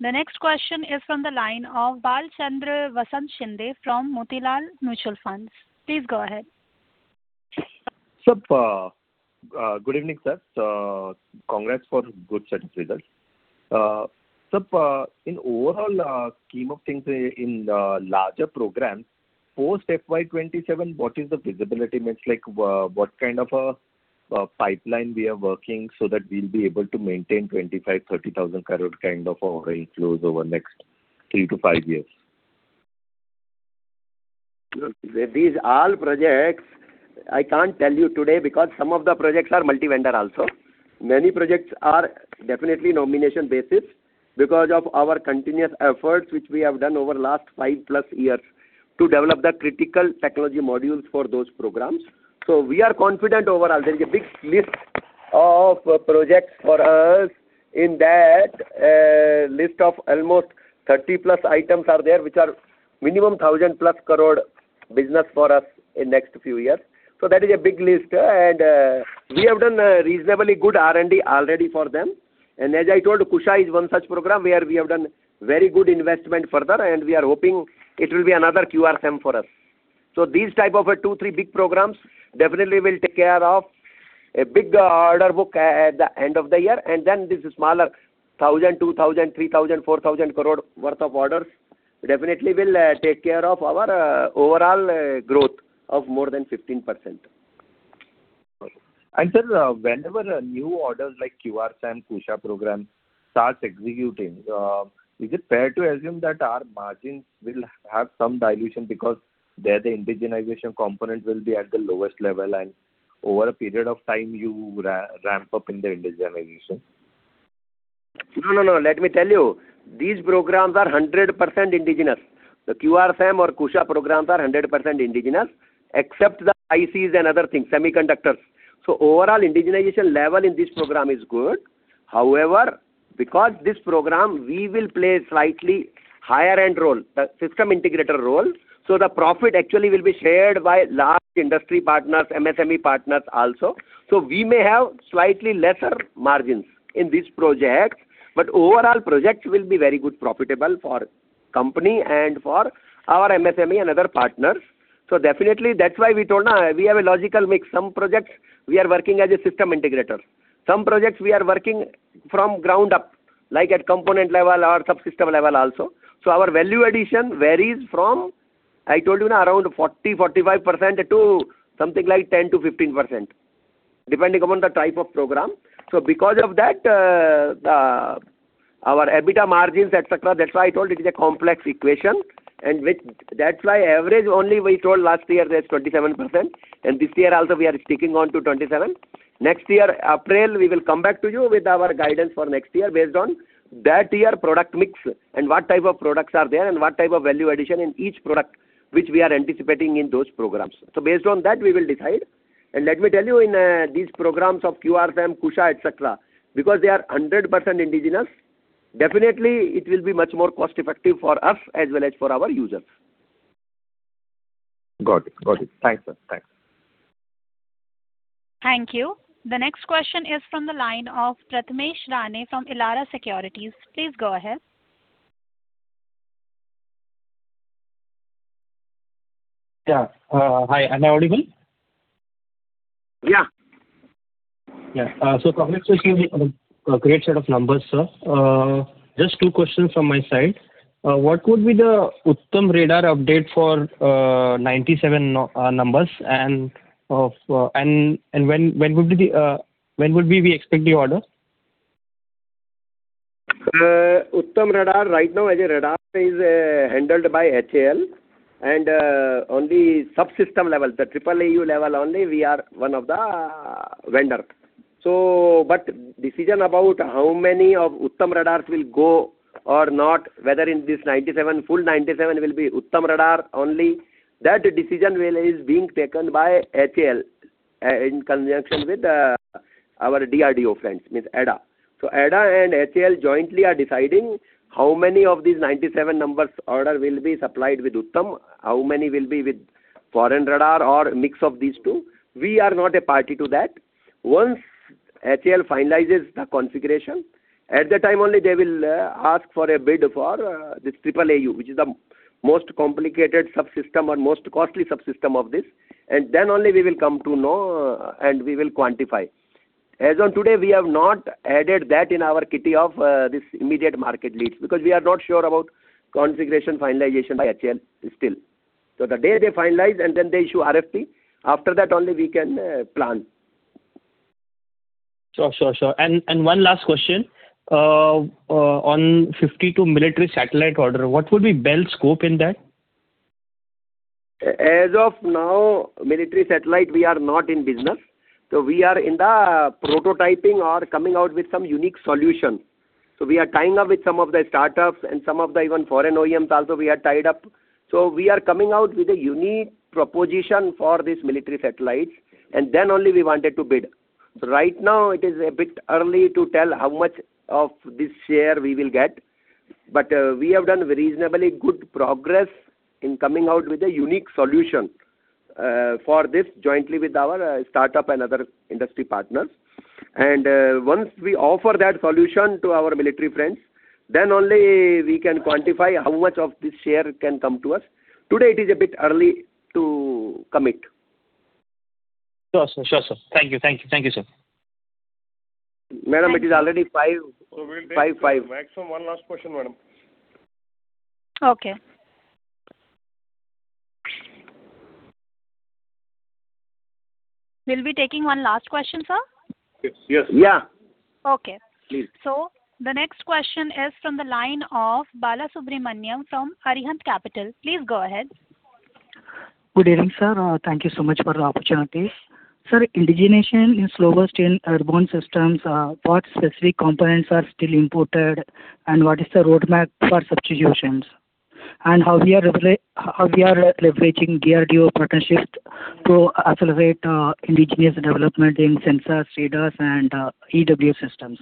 The next question is from the line of Bhalchandra Vasant Shinde from Motilal Mutual Funds. Please go ahead. Sir, good evening, sir. So, congrats for good set of results. Sir, in overall, scheme of things in, larger programs, post FY 2027, what is the visibility? Means like, what kind of a, pipeline we are working so that we'll be able to maintain 25,000 crore-30,000 crore kind of overall inflows over the next 3-5 years? Look, these all projects, I can't tell you today, because some of the projects are multi-vendor also. Many projects are definitely nomination basis because of our continuous efforts, which we have done over the last 5+ years, to develop the critical technology modules for those programs. So we are confident overall. There is a big list of projects for us. In that, list of almost 30+ items are there, which are minimum 1,000+ crore business for us in next few years. So that is a big list, and, we have done a reasonably good R&D already for them. And as I told you, Kusha is one such program where we have done very good investment further, and we are hoping it will be another QRSAM for us. So these type of 2, 3 big programs definitely will take care of a big order book at the end of the year, and then this smaller 1,000 crore, 2,000 crore, 3,000 crore, 4,000 crore worth of orders definitely will take care of our overall growth of more than 15%. Sir, whenever a new order like QRSAM, Kusha program starts executing, is it fair to assume that our margins will have some dilution because there the indigenization component will be at the lowest level, and over a period of time, you ramp up in the indigenization? No, no, no. Let me tell you, these programs are 100% indigenous. The QRSAM or Kusha programs are 100% indigenous, except the ICs and other things, semiconductors. So overall indigenization level in this program is good. However, because this program, we will play slightly higher end role, the system integrator role, so the profit actually will be shared by large industry partners, MSME partners also. So we may have slightly lesser margins in this project, but overall project will be very good profitable for company and for our MSME and other partners. So definitely, that's why we told, we have a logical mix. Some projects we are working as a system integrator. Some projects we are working from ground up, like at component level or subsystem level also. So our value addition varies from, I told you, around 40-45% to something like 10%-15%, depending upon the type of program. So because of that, our EBITDA margins, et cetera, that's why I told it is a complex equation, and which, that's why average only we told last year that's 27%, and this year also we are sticking on to 27. Next year, April, we will come back to you with our guidance for next year based on that year product mix and what type of products are there and what type of value addition in each product, which we are anticipating in those programs. So based on that, we will decide. Let me tell you, in these programs of QRSAM, Kusha, et cetera, because they are 100% indigenous, definitely it will be much more cost-effective for us as well as for our users. Got it. Got it. Thanks, sir. Thanks. Thank you. The next question is from the line of Prathamesh Rane from Elara Securities. Please go ahead. Yeah. Hi, am I audible? Yeah. Yeah. So congratulations on a great set of numbers, sir. Just two questions from my side. What would be the Uttam Radar update for 97 numbers? And when would we expect the order? Uttam radar, right now, as a radar, is handled by HAL, and on the subsystem level, the AAAU level only, we are one of the vendor. So, but decision about how many of Uttam radars will go or not, whether in this 97, full 97 will be Uttam radar only, that decision will, is being taken by HAL, in conjunction with our DRDO friends, means ADA. So ADA and HAL jointly are deciding how many of these 97 numbers order will be supplied with Uttam, how many will be with foreign radar or a mix of these two. We are not a party to that. Once HAL finalizes the configuration, at that time only they will ask for a bid for this AAAU, which is the most complicated subsystem or most costly subsystem of this, and then only we will come to know, and we will quantify. As on today, we have not added that in our kitty of this immediate market leads, because we are not sure about configuration finalization by HAL still. So the day they finalize, and then they issue RFP, after that only we can plan. Sure, sure, sure. And one last question. On 52 military satellite order, what would be BEL's scope in that? As of now, military satellite, we are not in business. So we are in the prototyping or coming out with some unique solution. So we are tying up with some of the startups and some of the even foreign OEMs also we are tied up. So we are coming out with a unique proposition for this military satellite, and then only we wanted to bid. So right now, it is a bit early to tell how much of this share we will get, but we have done reasonably good progress in coming out with a unique solution for this jointly with our startup and other industry partners. And once we offer that solution to our military friends, then only we can quantify how much of this share can come to us. Today, it is a bit early to commit. Sure, sir. Sure, sir. Thank you. Thank you. Thank you, sir. Madam, it is already 5- We'll take maximum one last question, madam. Okay. We'll be taking one last question, sir? Yes, yes. Yeah. Okay. Please. So the next question is from the line of Bala Subramaniam from Arihant Capital. Please go ahead. Good evening, sir. Thank you so much for the opportunity. Sir, indigenization is slowest in airborne systems, what specific components are still imported, and what is the roadmap for substitutions? And how we are leveraging DRDO partnerships to accelerate indigenous development in sensors, radars, and EW systems?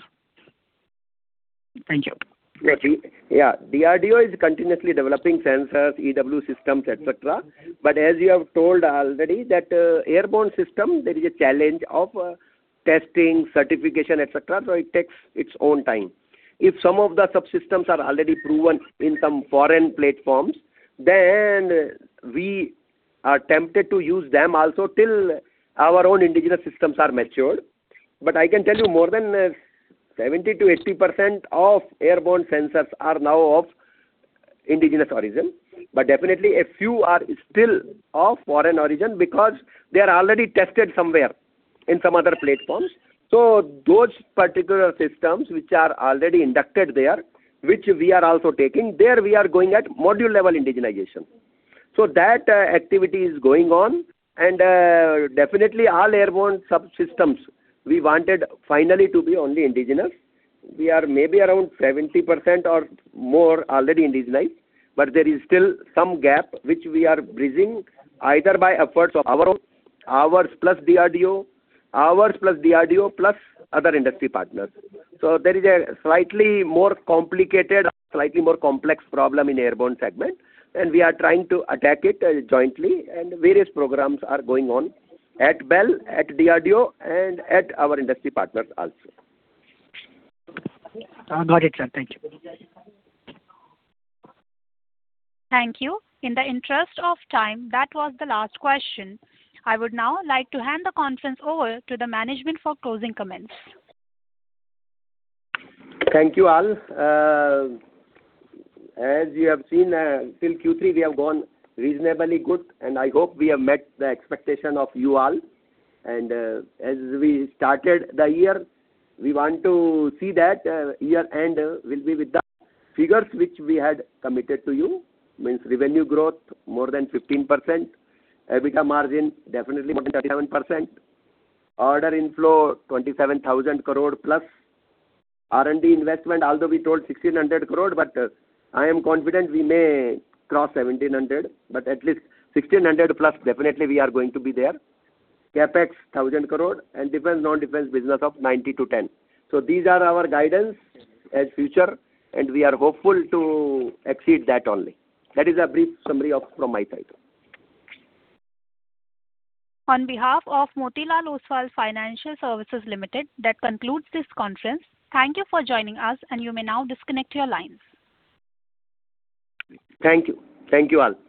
Thank you. Yeah. DRDO is continuously developing sensors, EW systems, et cetera. But as you have told already, that, airborne system, there is a challenge of, testing, certification, et cetera, so it takes its own time. If some of the subsystems are already proven in some foreign platforms, then we are tempted to use them also till our own indigenous systems are matured. But I can tell you more than, seventy to eighty percent of airborne sensors are now of indigenous origin. But definitely, a few are still of foreign origin because they are already tested somewhere in some other platforms. So those particular systems which are already inducted there, which we are also taking, there we are going at module-level indigenization. So that, activity is going on, and, definitely all airborne subsystems, we wanted finally to be only indigenous. We are maybe around 70% or more already indigenized, but there is still some gap, which we are bridging, either by efforts of our own, ours plus DRDO, ours plus DRDO, plus other industry partners. So there is a slightly more complicated, slightly more complex problem in airborne segment, and we are trying to attack it jointly, and various programs are going on at BEL, at DRDO, and at our industry partners also. Got it, sir. Thank you. Thank you. In the interest of time, that was the last question. I would now like to hand the conference over to the management for closing comments. Thank you, all. As you have seen, till Q3, we have gone reasonably good, and I hope we have met the expectation of you all. As we started the year, we want to see that year-end will be with the figures which we had committed to you. Means revenue growth, more than 15%. EBITDA margin, definitely more than 27%. Order inflow, 27,000 crore+. R&D investment, although we told 1,600 crore, but I am confident we may cross 1,700, but at least 1,600+, definitely we are going to be there. CapEx, 1,000 crore, and defense, non-defense business of 90 to 10. So these are our guidance as future, and we are hopeful to exceed that only. That is a brief summary from my side. On behalf of Motilal Oswal Financial Services Limited, that concludes this conference. Thank you for joining us, and you may now disconnect your lines. Thank you. Thank you, all.